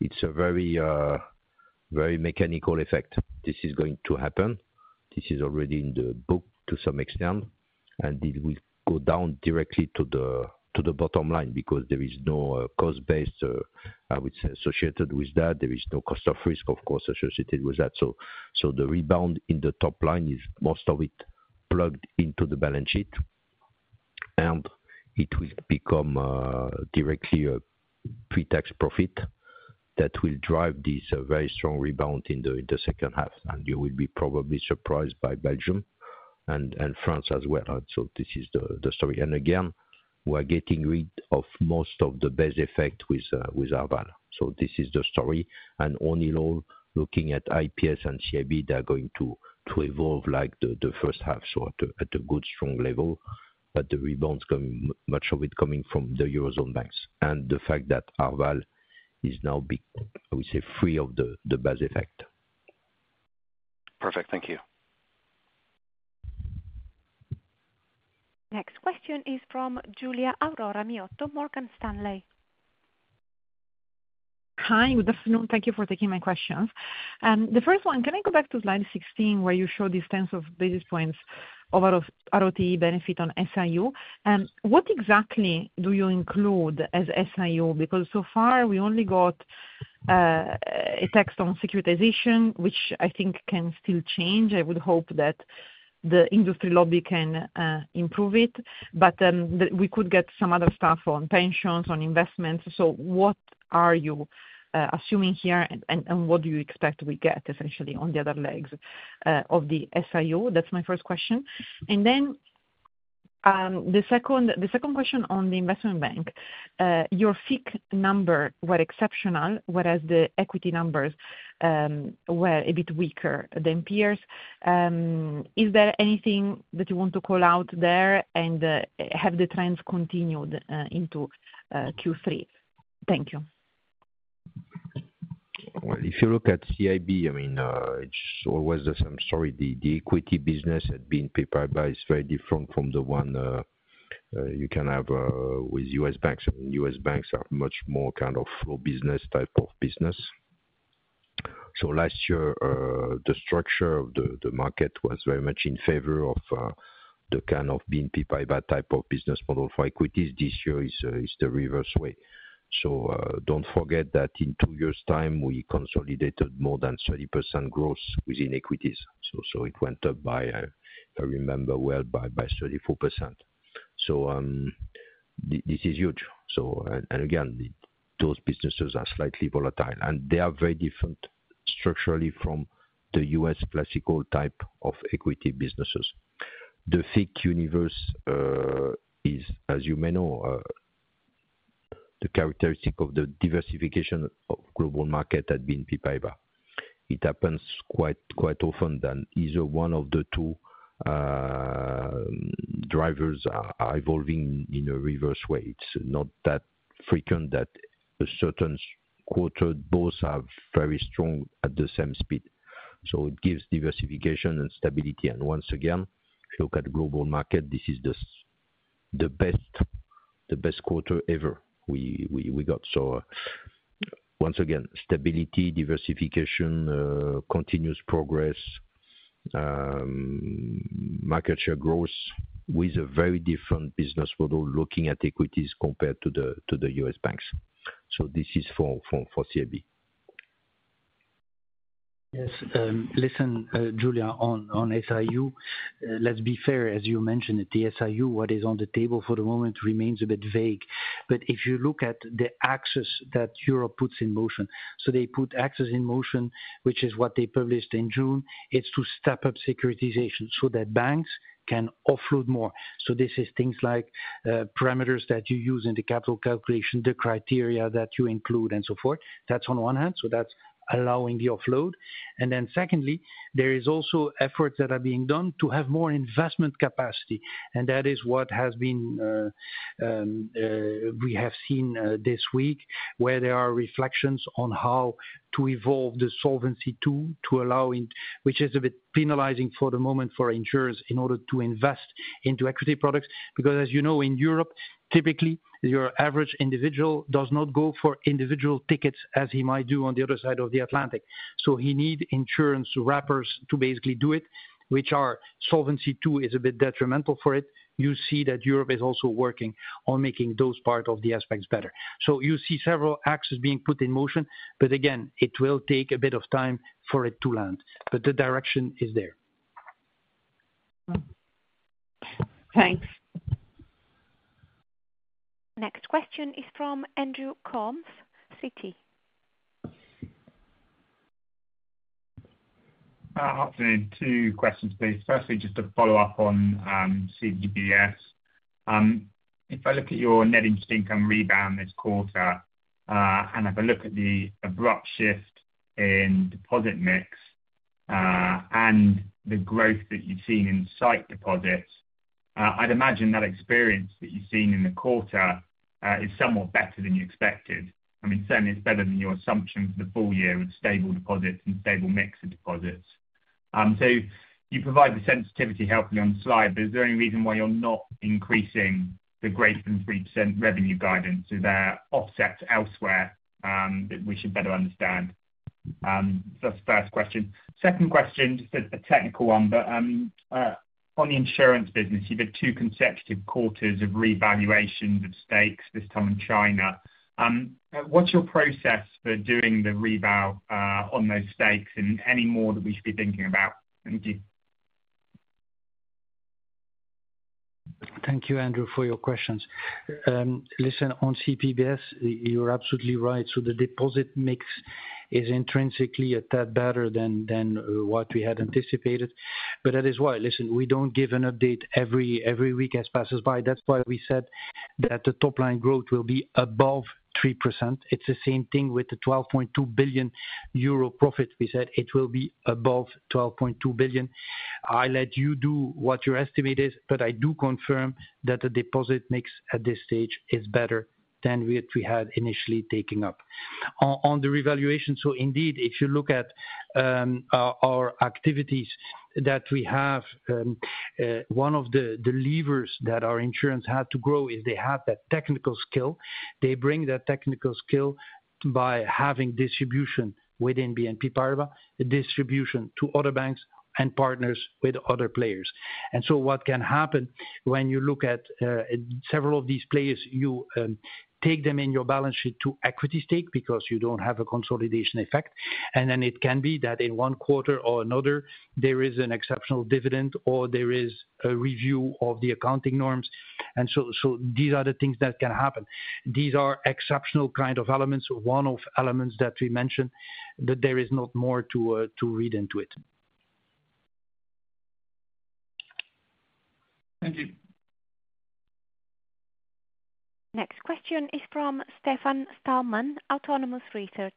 It is a very mechanical effect. This is going to happen. This is already in the book to some extent. It will go down directly to the bottom line because there is no cost-based, I would say, associated with that. There is no cost of risk, of course, associated with that. The rebound in the top line is most of it plugged into the balance sheet. It will become directly a pre-tax profit that will drive this very strong rebound in the second half. You will be probably surprised by Belgium and France as well. This is the story. Again, we are getting rid of most of the base effect with Arval. This is the story. Only looking at IPS and CIB, they are going to evolve like the first half, at a good strong level. The rebound is coming, much of it coming from the Eurozone banks. The fact that Arval is now free of the base effect. Perfect. Thank you. Next question is from Giulia Aurora Miotto, Morgan Stanley. Hi. Good afternoon. Thank you for taking my questions. The first one, can I go back to slide 16 where you showed these tens of basis points of ROTE benefit on SIU? What exactly do you include as SIU? Because so far, we only got a text on securitization, which I think can still change. I would hope that the industry lobby can improve it. We could get some other stuff on pensions, on investments. What are you assuming here and what do you expect we get, essentially, on the other legs of the SIU? That is my first question. The second question on the investment bank. Your FICC number were exceptional, whereas the equity numbers were a bit weaker than peers. Is there anything that you want to call out there and have the trends continued into Q3? Thank you. If you look at CIB, I mean, it is always the same story. The equity business had been prepared by is very different from the one you can have with U.S. banks. U.S. banks are much more kind of floor business type of business. Last year, the structure of the market was very much in favor of the kind of BNP Paribas type of business model for equities. This year is the reverse way. Do not forget that in two years' time, we consolidated more than 30% growth within equities. It went up by, if I remember well, by 34%. This is huge. Again, those businesses are slightly volatile. They are very different structurally from the U.S. classical type of equity businesses. The FICC universe is, as you may know, the characteristic of the diversification of global market at BNP Paribas. It happens quite often that either one of the two drivers are evolving in a reverse way. It is not that frequent that a certain quarter both have very strong at the same speed. It gives diversification and stability. Once again, if you look at the global market, this is the best quarter ever we got. Once again, stability, diversification, continuous progress, market share growth with a very different business model looking at equities compared to the U.S. banks. This is for CIB. Yes. Listen, Giulia, on SIU, let's be fair. As you mentioned, the SIU, what is on the table for the moment remains a bit vague. If you look at the axes that Europe puts in motion, they put axes in motion, which is what they published in June. It is to step up securitization so that banks can offload more. This is things like parameters that you use in the capital calculation, the criteria that you include, and so forth. That is on one hand. That is allowing the offload. Secondly, there are also efforts that are being done to have more investment capacity. That is what has been, we have seen this week, where there are reflections on how to evolve the solvency to allow, which is a bit penalizing for the moment for insurers in order to invest into equity products. As you know, in Europe, typically, your average individual does not go for individual tickets as he might do on the other side of the Atlantic. He needs insurance wrappers to basically do it, which are solvency two is a bit detrimental for it. You see that Europe is also working on making those parts of the aspects better. You see several axes being put in motion. Again, it will take a bit of time for it to land. The direction is there. Thanks. Next question is from Andrew Coombs, Citi. I'll say two questions, please. Firstly, just to follow up on CPBS. If I look at your net interest income rebound this quarter, and if I look at the abrupt shift in deposit mix and the growth that you've seen in sight deposits, I'd imagine that experience that you've seen in the quarter is somewhat better than you expected. I mean, certainly, it is better than your assumption for the full year with stable deposits and stable mix of deposits. You provide the sensitivity helpfully on the slide, but is there any reason why you're not increasing the greater than 3% revenue guidance? Are there offsets elsewhere that we should better understand? That is the first question. Second question, just a technical one. On the insurance business, you've had two consecutive quarters of revaluation of stakes, this time in China. What is your process for doing the rebound on those stakes and any more that we should be thinking about? Thank you. Thank you, Andrew, for your questions. Listen, on CPBS, you're absolutely right. The deposit mix is intrinsically a tad better than what we had anticipated. That is why, listen, we do not give an update every week as passes by. That's why we said that the top line growth will be above 3%. It's the same thing with the 12.2 billion euro profit. We said it will be above 12.2 billion. I let you do what your estimate is. I do confirm that the deposit mix at this stage is better than what we had initially taken up. On the revaluation, so indeed, if you look at our activities that we have, one of the levers that our insurance has to grow is they have that technical skill. They bring that technical skill by having distribution within BNP Paribas, distribution to other banks and partners with other players. What can happen when you look at several of these players, you take them in your balance sheet to equity stake because you do not have a consolidation effect. It can be that in one quarter or another, there is an exceptional dividend or there is a review of the accounting norms. These are the things that can happen. These are exceptional kind of elements, one-off elements that we mentioned, that there is not more to read into it. Thank you. Next question is from Stefan Stalmann, Autonomous Research.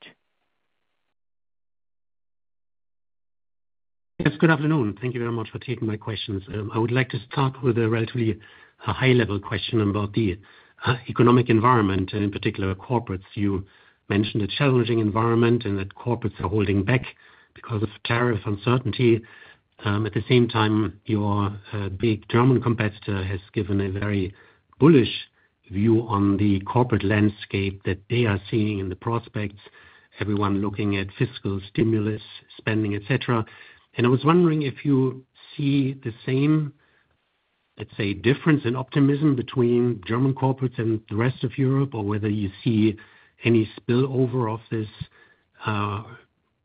Yes. Good afternoon. Thank you very much for taking my questions. I would like to start with a relatively high-level question about the economic environment, and in particular, corporates. You mentioned a challenging environment and that corporates are holding back because of tariff uncertainty. At the same time, your big German competitor has given a very bullish view on the corporate landscape that they are seeing in the prospects, everyone looking at fiscal stimulus, spending, etc. I was wondering if you see the same, let's say, difference in optimism between German corporates and the rest of Europe, or whether you see any spillover of this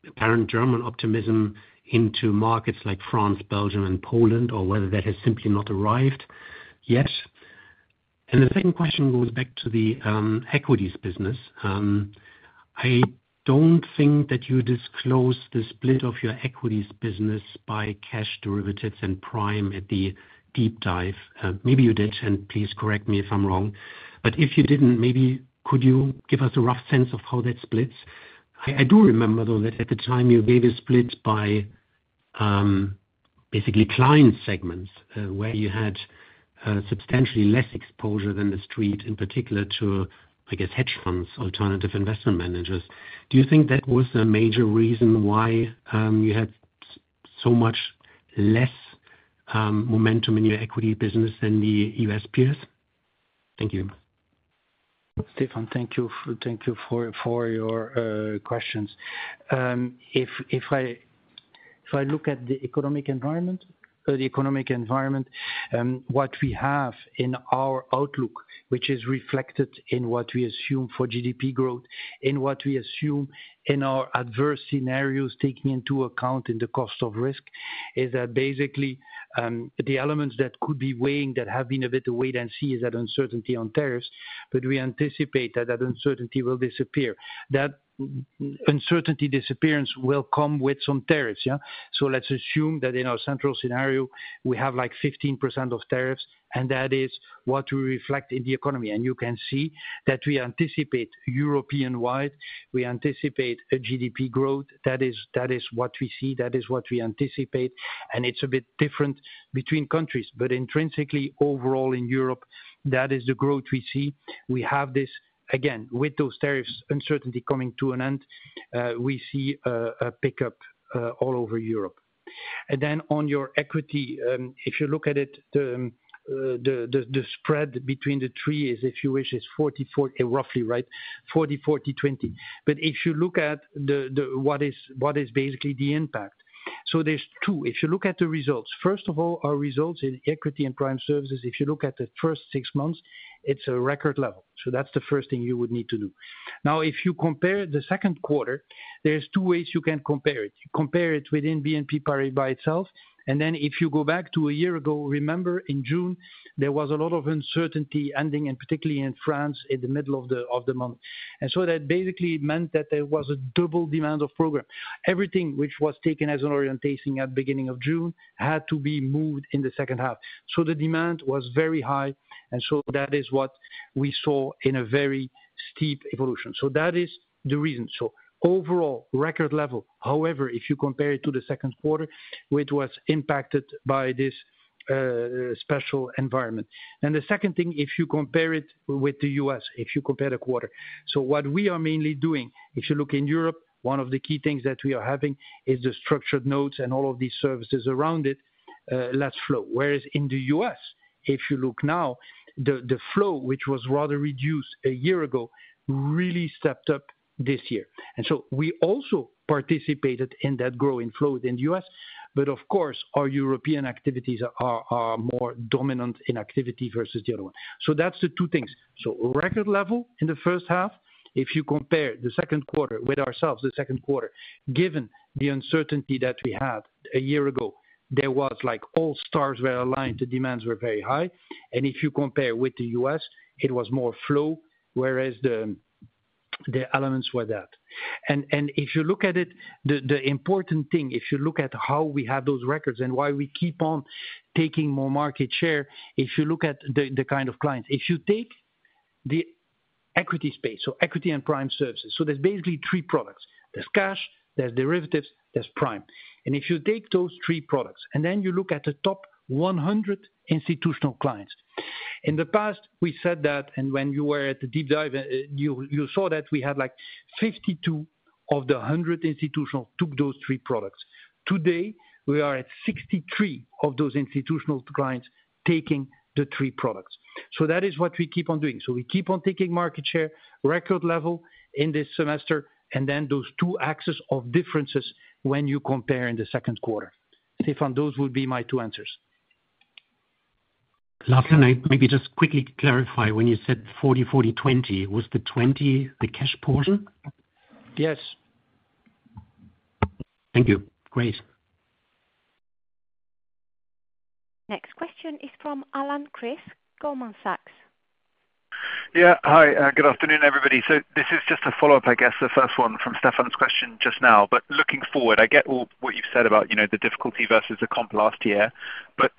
apparent German optimism into markets like France, Belgium, and Poland, or whether that has simply not arrived yet. The second question goes back to the equities business. I do not think that you disclosed the split of your equities business by cash derivatives and prime at the deep dive. Maybe you did, and please correct me if I am wrong. If you did not, maybe could you give us a rough sense of how that splits? I do remember, though, that at the time you gave a split by basically client segments where you had substantially less exposure than the street, in particular to, I guess, hedge funds, alternative investment managers. Do you think that was a major reason why you had so much less momentum in your equity business than the U.S. peers? Thank you. Stefan, thank you for your questions. If I look at the economic environment, what we have in our outlook, which is reflected in what we assume for GDP growth, in what we assume in our adverse scenarios, taking into account the cost of risk, is that basically. The elements that could be weighing that have been a bit awaited and see is that uncertainty on tariffs. We anticipate that that uncertainty will disappear. That uncertainty disappearance will come with some tariffs. Let's assume that in our central scenario, we have like 15% of tariffs, and that is what we reflect in the economy. You can see that we anticipate European-wide. We anticipate a GDP growth. That is what we see. That is what we anticipate. It's a bit different between countries. Intrinsically, overall in Europe, that is the growth we see. We have this, again, with those tariffs, uncertainty coming to an end. We see a pickup all over Europe. On your equity, if you look at it. The spread between the three is, if you wish, is 40-40, roughly, right? 40-40-20. If you look at what is basically the impact, so there's two. If you look at the results, first of all, our results in equity and prime services, if you look at the first six months, it's a record level. That's the first thing you would need to do. Now, if you compare the second quarter, there's two ways you can compare it. You compare it within BNP Paribas itself. If you go back to a year ago, remember, in June, there was a lot of uncertainty ending, and particularly in France, in the middle of the month. That basically meant that there was a double demand of program. Everything which was taken as an orientation at the beginning of June had to be moved in the second half. The demand was very high. That is what we saw in a very steep evolution. That is the reason. Overall, record level. However, if you compare it to the second quarter, it was impacted by this special environment. The second thing, if you compare it with the U.S., if you compare the quarter. What we are mainly doing, if you look in Europe, one of the key things that we are having is the structured notes and all of these services around it. Less flow. Whereas in the U.S., if you look now. The flow, which was rather reduced a year ago, really stepped up this year. We also participated in that growing flow within the U.S. Of course, our European activities are more dominant in activity versus the other one. That's the two things. Record level in the first half. If you compare the second quarter with ourselves, the second quarter, given the uncertainty that we had a year ago, there was like all stars were aligned. The demands were very high. If you compare with the U.S., it was more flow, whereas the elements were that. If you look at it, the important thing, if you look at how we have those records and why we keep on taking more market share, if you look at the kind of clients, if you take the equity space, so equity and prime services, there are basically three products. There is cash, there are derivatives, there is prime. If you take those three products and then you look at the top 100 institutional clients, in the past, we said that, and when you were at the deep dive, you saw that we had 52 of the 100 institutional took those three products. Today, we are at 63 of those institutional clients taking the three products. That is what we keep on doing. We keep on taking market share, record level in this semester, and then those two axes of differences when you compare in the second quarter. Stefan, those would be my two answers. Lastly, maybe just quickly clarify, when you said 40-40-20, was the 20 the cash portion? Yes. Thank you. Great. Next question is from Allan Chris, Goldman Sachs. Yeah. Hi. Good afternoon, everybody. This is just a follow-up, I guess, the first one from Stefan's question just now. Looking forward, I get all what you've said about the difficulty versus the comp last year.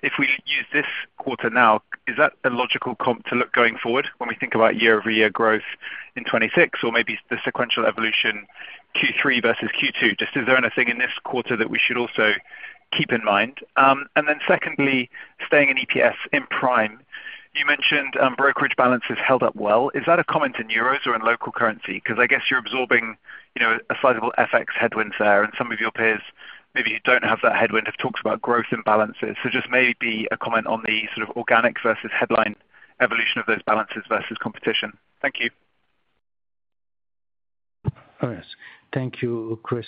If we use this quarter now, is that a logical comp to look going forward when we think about year-over-year growth in 2026, or maybe the sequential evolution Q3 versus Q2? Is there anything in this quarter that we should also keep in mind? Secondly, staying in EPS in prime, you mentioned brokerage balances held up well. Is that a comment in euros or in local currency? Because I guess you're absorbing a sizable FX headwind there. Some of your peers, maybe who do not have that headwind, have talked about growth in balances. Maybe a comment on the sort of organic versus headline evolution of those balances versus competition. Thank you. Thank you, Chris.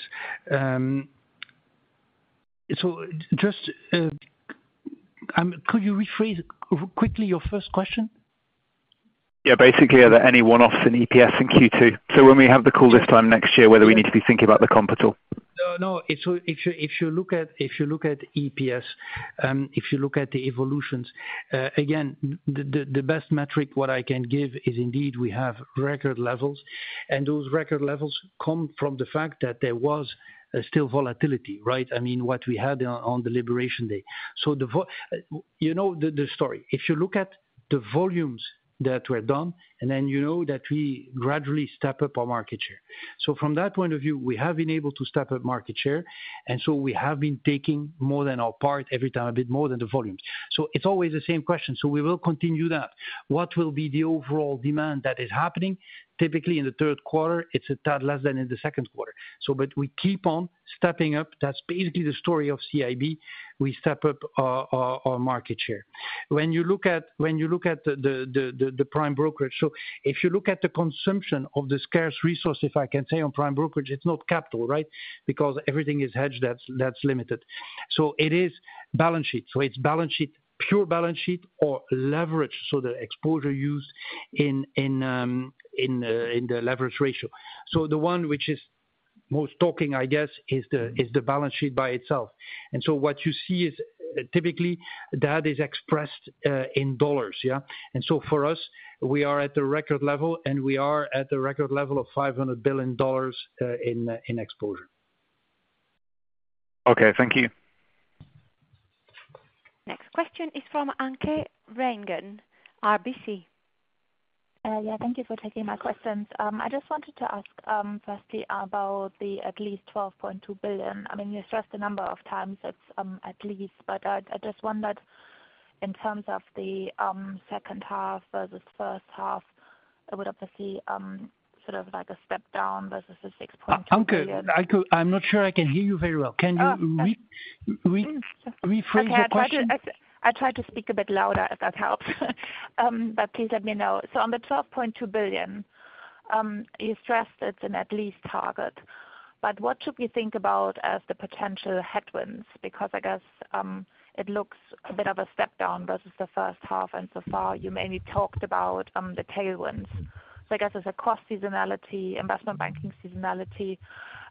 Could you rephrase quickly your first question? Yeah. Basically, are there any one-offs in EPS in Q2? When we have the call this time next year, whether we need to be thinking about the comp at all? No. If you look at EPS, if you look at the evolutions, again, the best metric what I can give is indeed we have record levels. Those record levels come from the fact that there was still volatility, right? I mean, what we had on the liberation day. The story, if you look at the volumes that were done, and then you know that we gradually step up our market share. From that point of view, we have been able to step up market share. We have been taking more than our part every time, a bit more than the volumes. It is always the same question. We will continue that. What will be the overall demand that is happening? Typically, in the third quarter, it is a tad less than in the second quarter. But we keep on stepping up. That is basically the story of CIB. We step up. Our market share. When you look at the prime brokerage, so if you look at the consumption of the scarce resource, if I can say on prime brokerage, it is not capital, right? Because everything is hedged, that is limited. So it is balance sheet. So it is balance sheet, pure balance sheet, or leverage. So the exposure used in the leverage ratio. So the one which is most talking, I guess, is the balance sheet by itself. And so what you see is typically that is expressed in dollars. And so for us, we are at the record level, and we are at the record level of $500 billion in exposure. Okay. Thank you. Next question is from Anke Reingen, RBC. Yeah. Thank you for taking my questions. I just wanted to ask firstly about the at least 12.2 billion. I mean, you stressed the number of times it is at least, but I just wondered in terms of the second half versus first half, would it be sort of like a step down versus a 6.2 billion? Anke, I am not sure I can hear you very well. Can you rephrase your question? I tried to speak a bit louder, if that helps. But please let me know. On the 12.2 billion, you stressed it is an at-least target. But what should we think about as the potential headwinds? Because I guess it looks a bit of a step down versus the first half. And so far, you mainly talked about the tailwinds. I guess it is a cost seasonality, investment banking seasonality.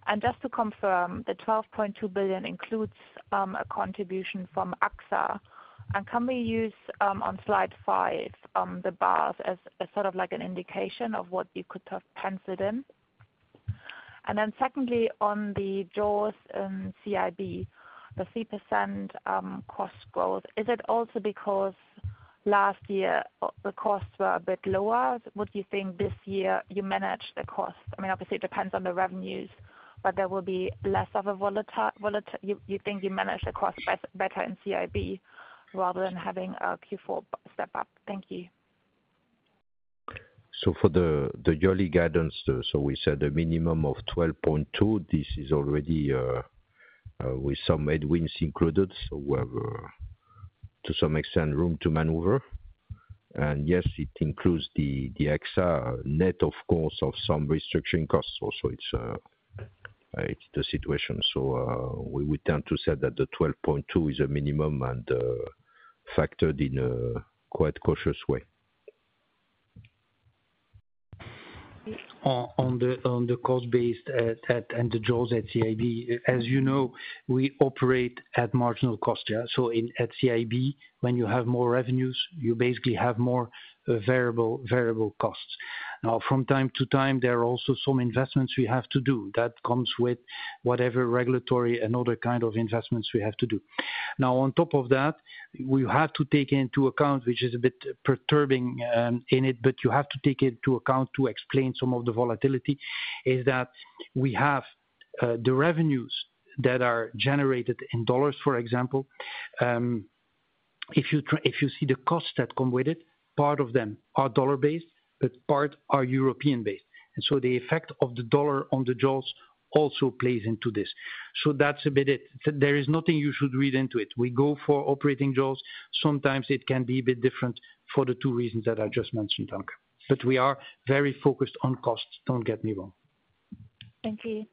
And just to confirm, the 12.2 billion includes a contribution from AXA. And can we use on slide five the bars as sort of like an indication of what you could have penciled in? Then secondly, on the jaws in CIB, the 3% cost growth, is it also because last year the costs were a bit lower? Would you think this year you managed the cost? I mean, obviously, it depends on the revenues, but there will be less of a volatile. You think you managed the cost better in CIB rather than having a Q4 step up? Thank you. For the yearly guidance, we said a minimum of 12.2 billion. This is already with some headwinds included. We have to some extent room to maneuver. And yes, it includes the extra net, of course, of some restructuring costs. Also, it is the situation. We would tend to say that the 12.2 billion is a minimum and factored in a quite cautious way. On the cost-based and the jaws at CIB, as you know, we operate at marginal cost. At CIB, when you have more revenues, you basically have more variable costs. Now, from time to time, there are also some investments we have to do. That comes with whatever regulatory and other kind of investments we have to do. On top of that, we have to take into account, which is a bit perturbing in it, but you have to take into account to explain some of the volatility, is that we have. The revenues that are generated in dollars, for example. If you see the costs that come with it, part of them are dollar-based, but part are European-based. The effect of the dollar on the jaws also plays into this. That is a bit it. There is nothing you should read into it. We go for operating jaws. Sometimes it can be a bit different for the two reasons that I just mentioned, Anke. We are very focused on costs, do not get me wrong. Thank you.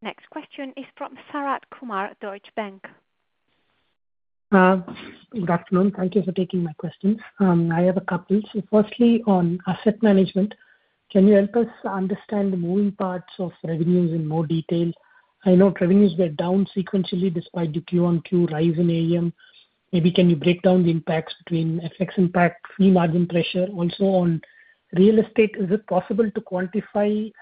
Next question is from Sharath Kumar, Deutsche Bank. Good afternoon. Thank you for taking my questions. I have a couple. Firstly, on asset management, can you help us understand the moving parts of revenues in more detail? I know revenues were down sequentially despite the Q1 Q2 rise in AEM. Maybe can you break down the impacts between FX impact, free margin pressure, also on real estate? Is it possible to quantify?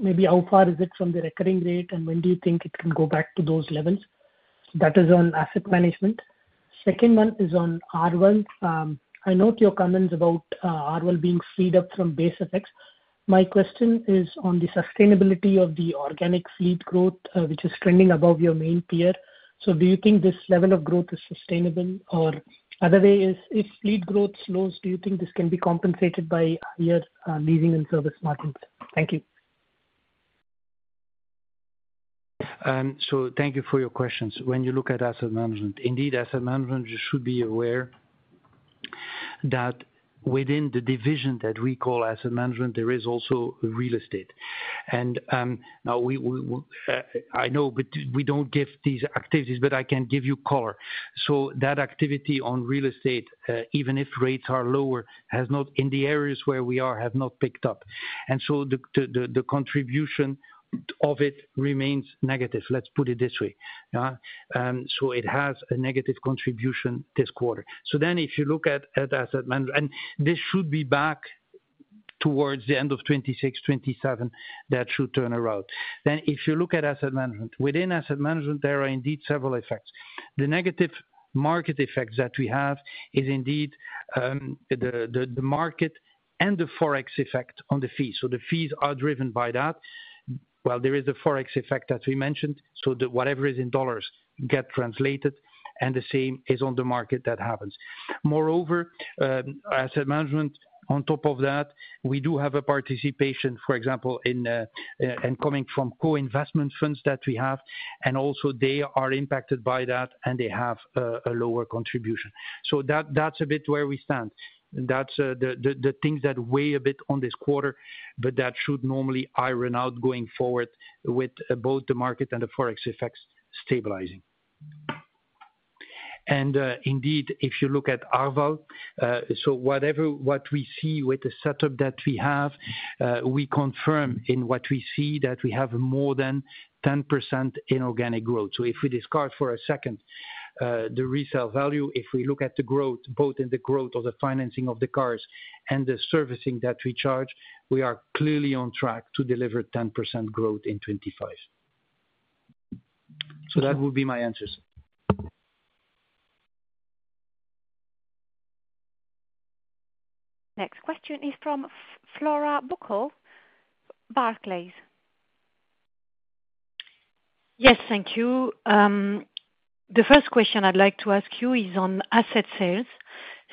Maybe how far is it from the recurring rate? When do you think it can go back to those levels? That is on asset management. Second one is on R1. I note your comments about R1 being freed up from base effects. My question is on the sustainability of the organic fleet growth, which is trending above your main tier. Do you think this level of growth is sustainable? Or other way is, if fleet growth slows, do you think this can be compensated by higher leasing and service margins? Thank you. Thank you for your questions. When you look at asset management, indeed, asset management, you should be aware. That within the division that we call asset management, there is also real estate. I know, but we do not give these activities, but I can give you color. That activity on real estate, even if rates are lower, has not, in the areas where we are, have not picked up. The contribution of it remains negative. Let us put it this way. It has a negative contribution this quarter. If you look at asset management, and this should be back. Towards the end of 2026, 2027, that should turn around. If you look at asset management, within asset management, there are indeed several effects. The negative market effects that we have is indeed. The market and the forex effect on the fees. The fees are driven by that. There is the forex effect that we mentioned. Whatever is in dollars gets translated. The same is on the market that happens. Moreover. Asset management, on top of that, we do have a participation, for example coming from co-investment funds that we have. And also they are impacted by that, and they have a lower contribution. That is a bit where we stand. That is the things that weigh a bit on this quarter, but that should normally iron out going forward with both the market and the forex effects stabilizing. Indeed, if you look at Arval, whatever what we see with the setup that we have, we confirm in what we see that we have more than 10% inorganic growth. If we discard for a second the resale value, if we look at the growth, both in the growth of the financing of the cars and the servicing that we charge, we are clearly on track to deliver 10% growth in 2025. That would be my answers. Next question is from Flora Bocahut, Barclays. Yes, thank you. The first question I'd like to ask you is on asset sales,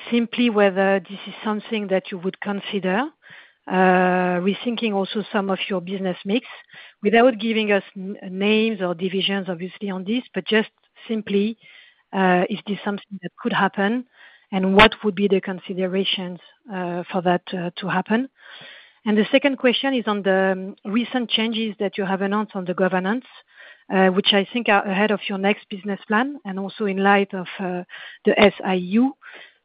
simply whether this is something that you would consider. Rethinking also some of your business mix without giving us names or divisions, obviously, on this, but just simply. Is this something that could happen? What would be the considerations for that to happen? The second question is on the recent changes that you have announced on the governance, which I think are ahead of your next business plan and also in light of the SIU.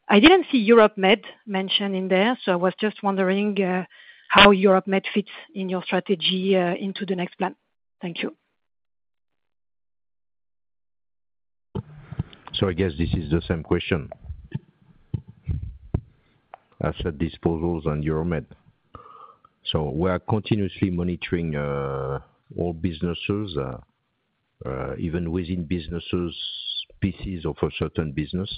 I did not see Europe Med mentioned in there, so I was just wondering how Europe Med fits in your strategy into the next plan. Thank you. I guess this is the same question. Asset disposals and Euro Med. We are continuously monitoring all businesses. Even within businesses, species of a certain business.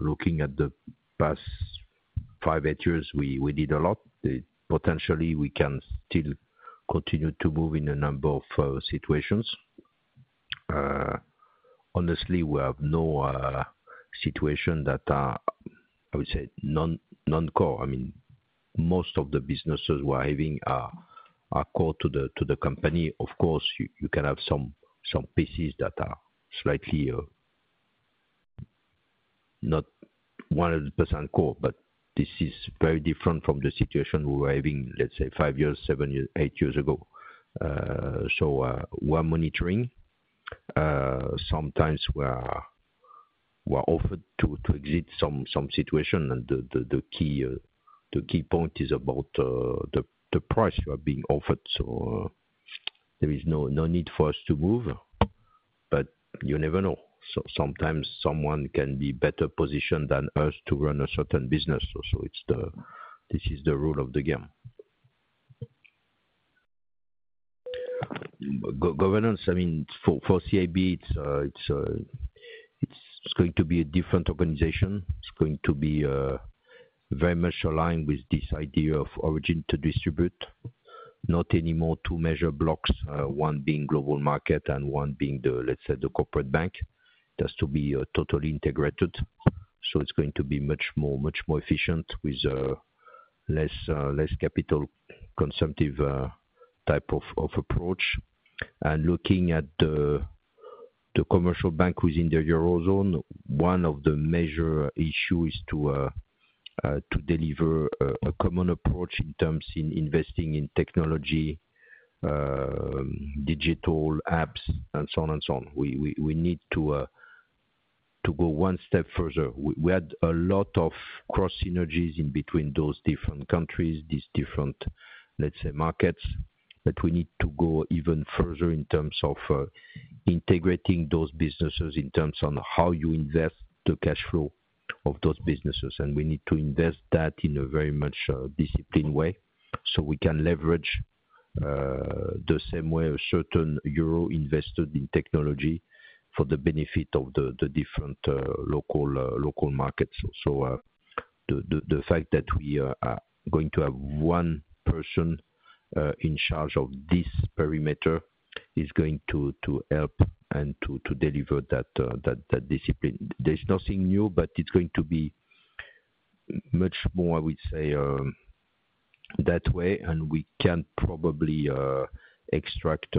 Looking at the past five, eight years, we did a lot. Potentially, we can still continue to move in a number of situations. Honestly, we have no situations that are, I would say, non-core. I mean, most of the businesses we are having are core to the company. Of course, you can have some pieces that are slightly not 100% core, but this is very different from the situation we were having, let's say, five years, seven years, eight years ago. We are monitoring. Sometimes we are offered to exit some situation, and the key point is about the price you are being offered. There is no need for us to move. You never know. Sometimes someone can be better positioned than us to run a certain business. This is the rule of the game. Governance, I mean, for CIB, it is going to be a different organization. It is going to be very much aligned with this idea of origin to distribute. Not anymore two measure blocks, one being global market and one being, let's say, the corporate bank. It has to be totally integrated. It is going to be much more efficient with. Less capital-consumptive type of approach. Looking at the commercial bank within the eurozone, one of the major issues is to deliver a common approach in terms of investing in technology, digital apps, and so on and so on. We need to go one step further. We had a lot of cross synergies in between those different countries, these different, let's say, markets. We need to go even further in terms of integrating those businesses in terms of how you invest the cash flow of those businesses. We need to invest that in a very much disciplined way so we can leverage the same way a certain euro invested in technology for the benefit of the different local markets. The fact that we are going to have one person in charge of this perimeter is going to help and to deliver that discipline. There's nothing new, but it's going to be much more, I would say, that way, and we can probably extract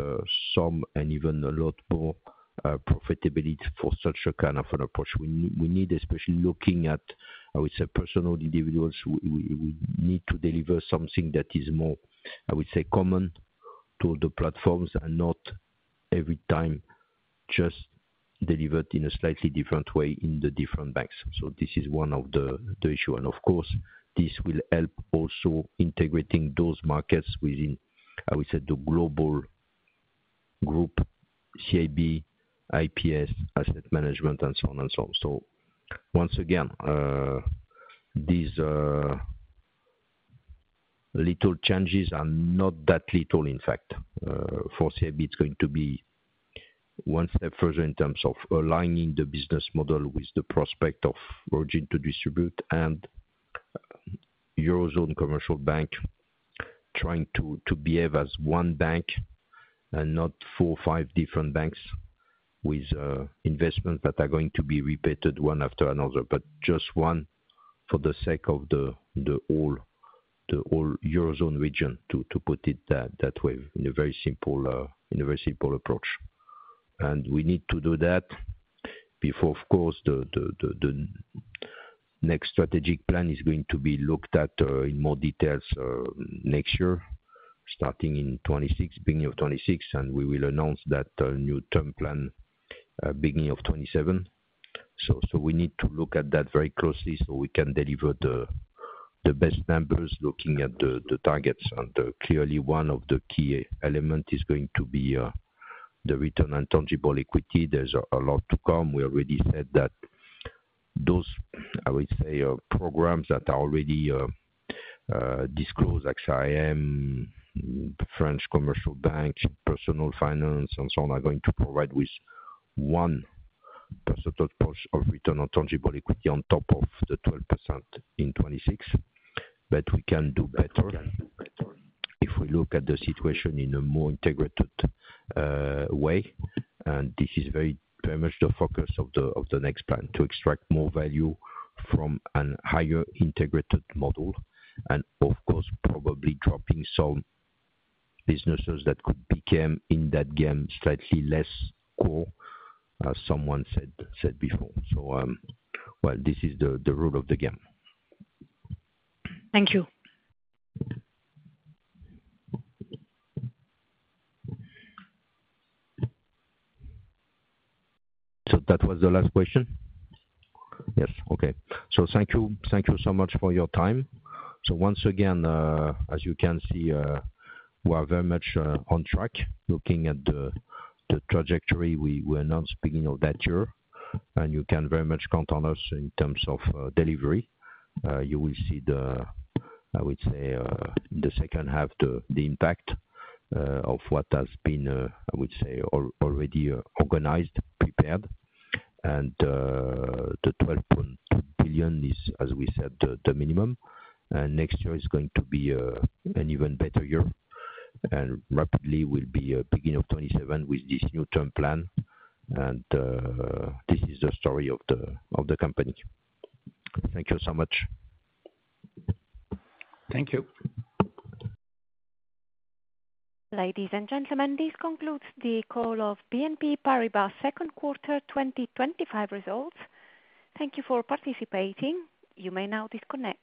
some and even a lot more profitability for such a kind of an approach. We need, especially looking at, I would say, personal individuals, to deliver something that is more, I would say, common to the platforms and not every time just delivered in a slightly different way in the different banks. This is one of the issues. Of course, this will help also integrating those markets within, I would say, the global group, CIB, IPS, asset management, and so on and so on. Once again, these little changes are not that little, in fact. For CIB, it's going to be one step further in terms of aligning the business model with the prospect of originate-to-distribute and eurozone commercial bank trying to behave as one bank and not four or five different banks with investments that are going to be repeated one after another, but just one for the sake of the whole eurozone region, to put it that way, in a very simple approach. We need to do that before, of course, the next strategic plan is going to be looked at in more detail next year, starting in 2026, beginning of 2026, and we will announce that new term plan beginning of 2027. We need to look at that very closely so we can deliver the best numbers looking at the targets. Clearly, one of the key elements is going to be the return on tangible equity. There's a lot to come. We already said that those, I would say, programs that are already disclosed, XIM, French commercial bank, personal finance, and so on, are going to provide with one percentage of return on tangible equity on top of the 12% in 2026. We can do better if we look at the situation in a more integrated way. This is very much the focus of the next plan, to extract more value from a higher integrated model. Of course, probably dropping some businesses that could become, in that game, slightly less core, as someone said before. This is the rule of the game. Thank you. That was the last question? Yes. Thank you so much for your time. Once again, as you can see, we are very much on track, looking at the trajectory we announced beginning of that year. You can very much count on us in terms of delivery. You will see, I would say, in the second half, the impact of what has been, I would say, already organized, prepared. The 12.2 billion is, as we said, the minimum, and next year is going to be an even better year. Rapidly, we will be beginning of 2027 with this new term plan. This is the story of the company. Thank you so much. Thank you. Ladies and gentlemen, this concludes the call of BNP Paribas second quarter 2025 results. Thank you for participating. You may now disconnect.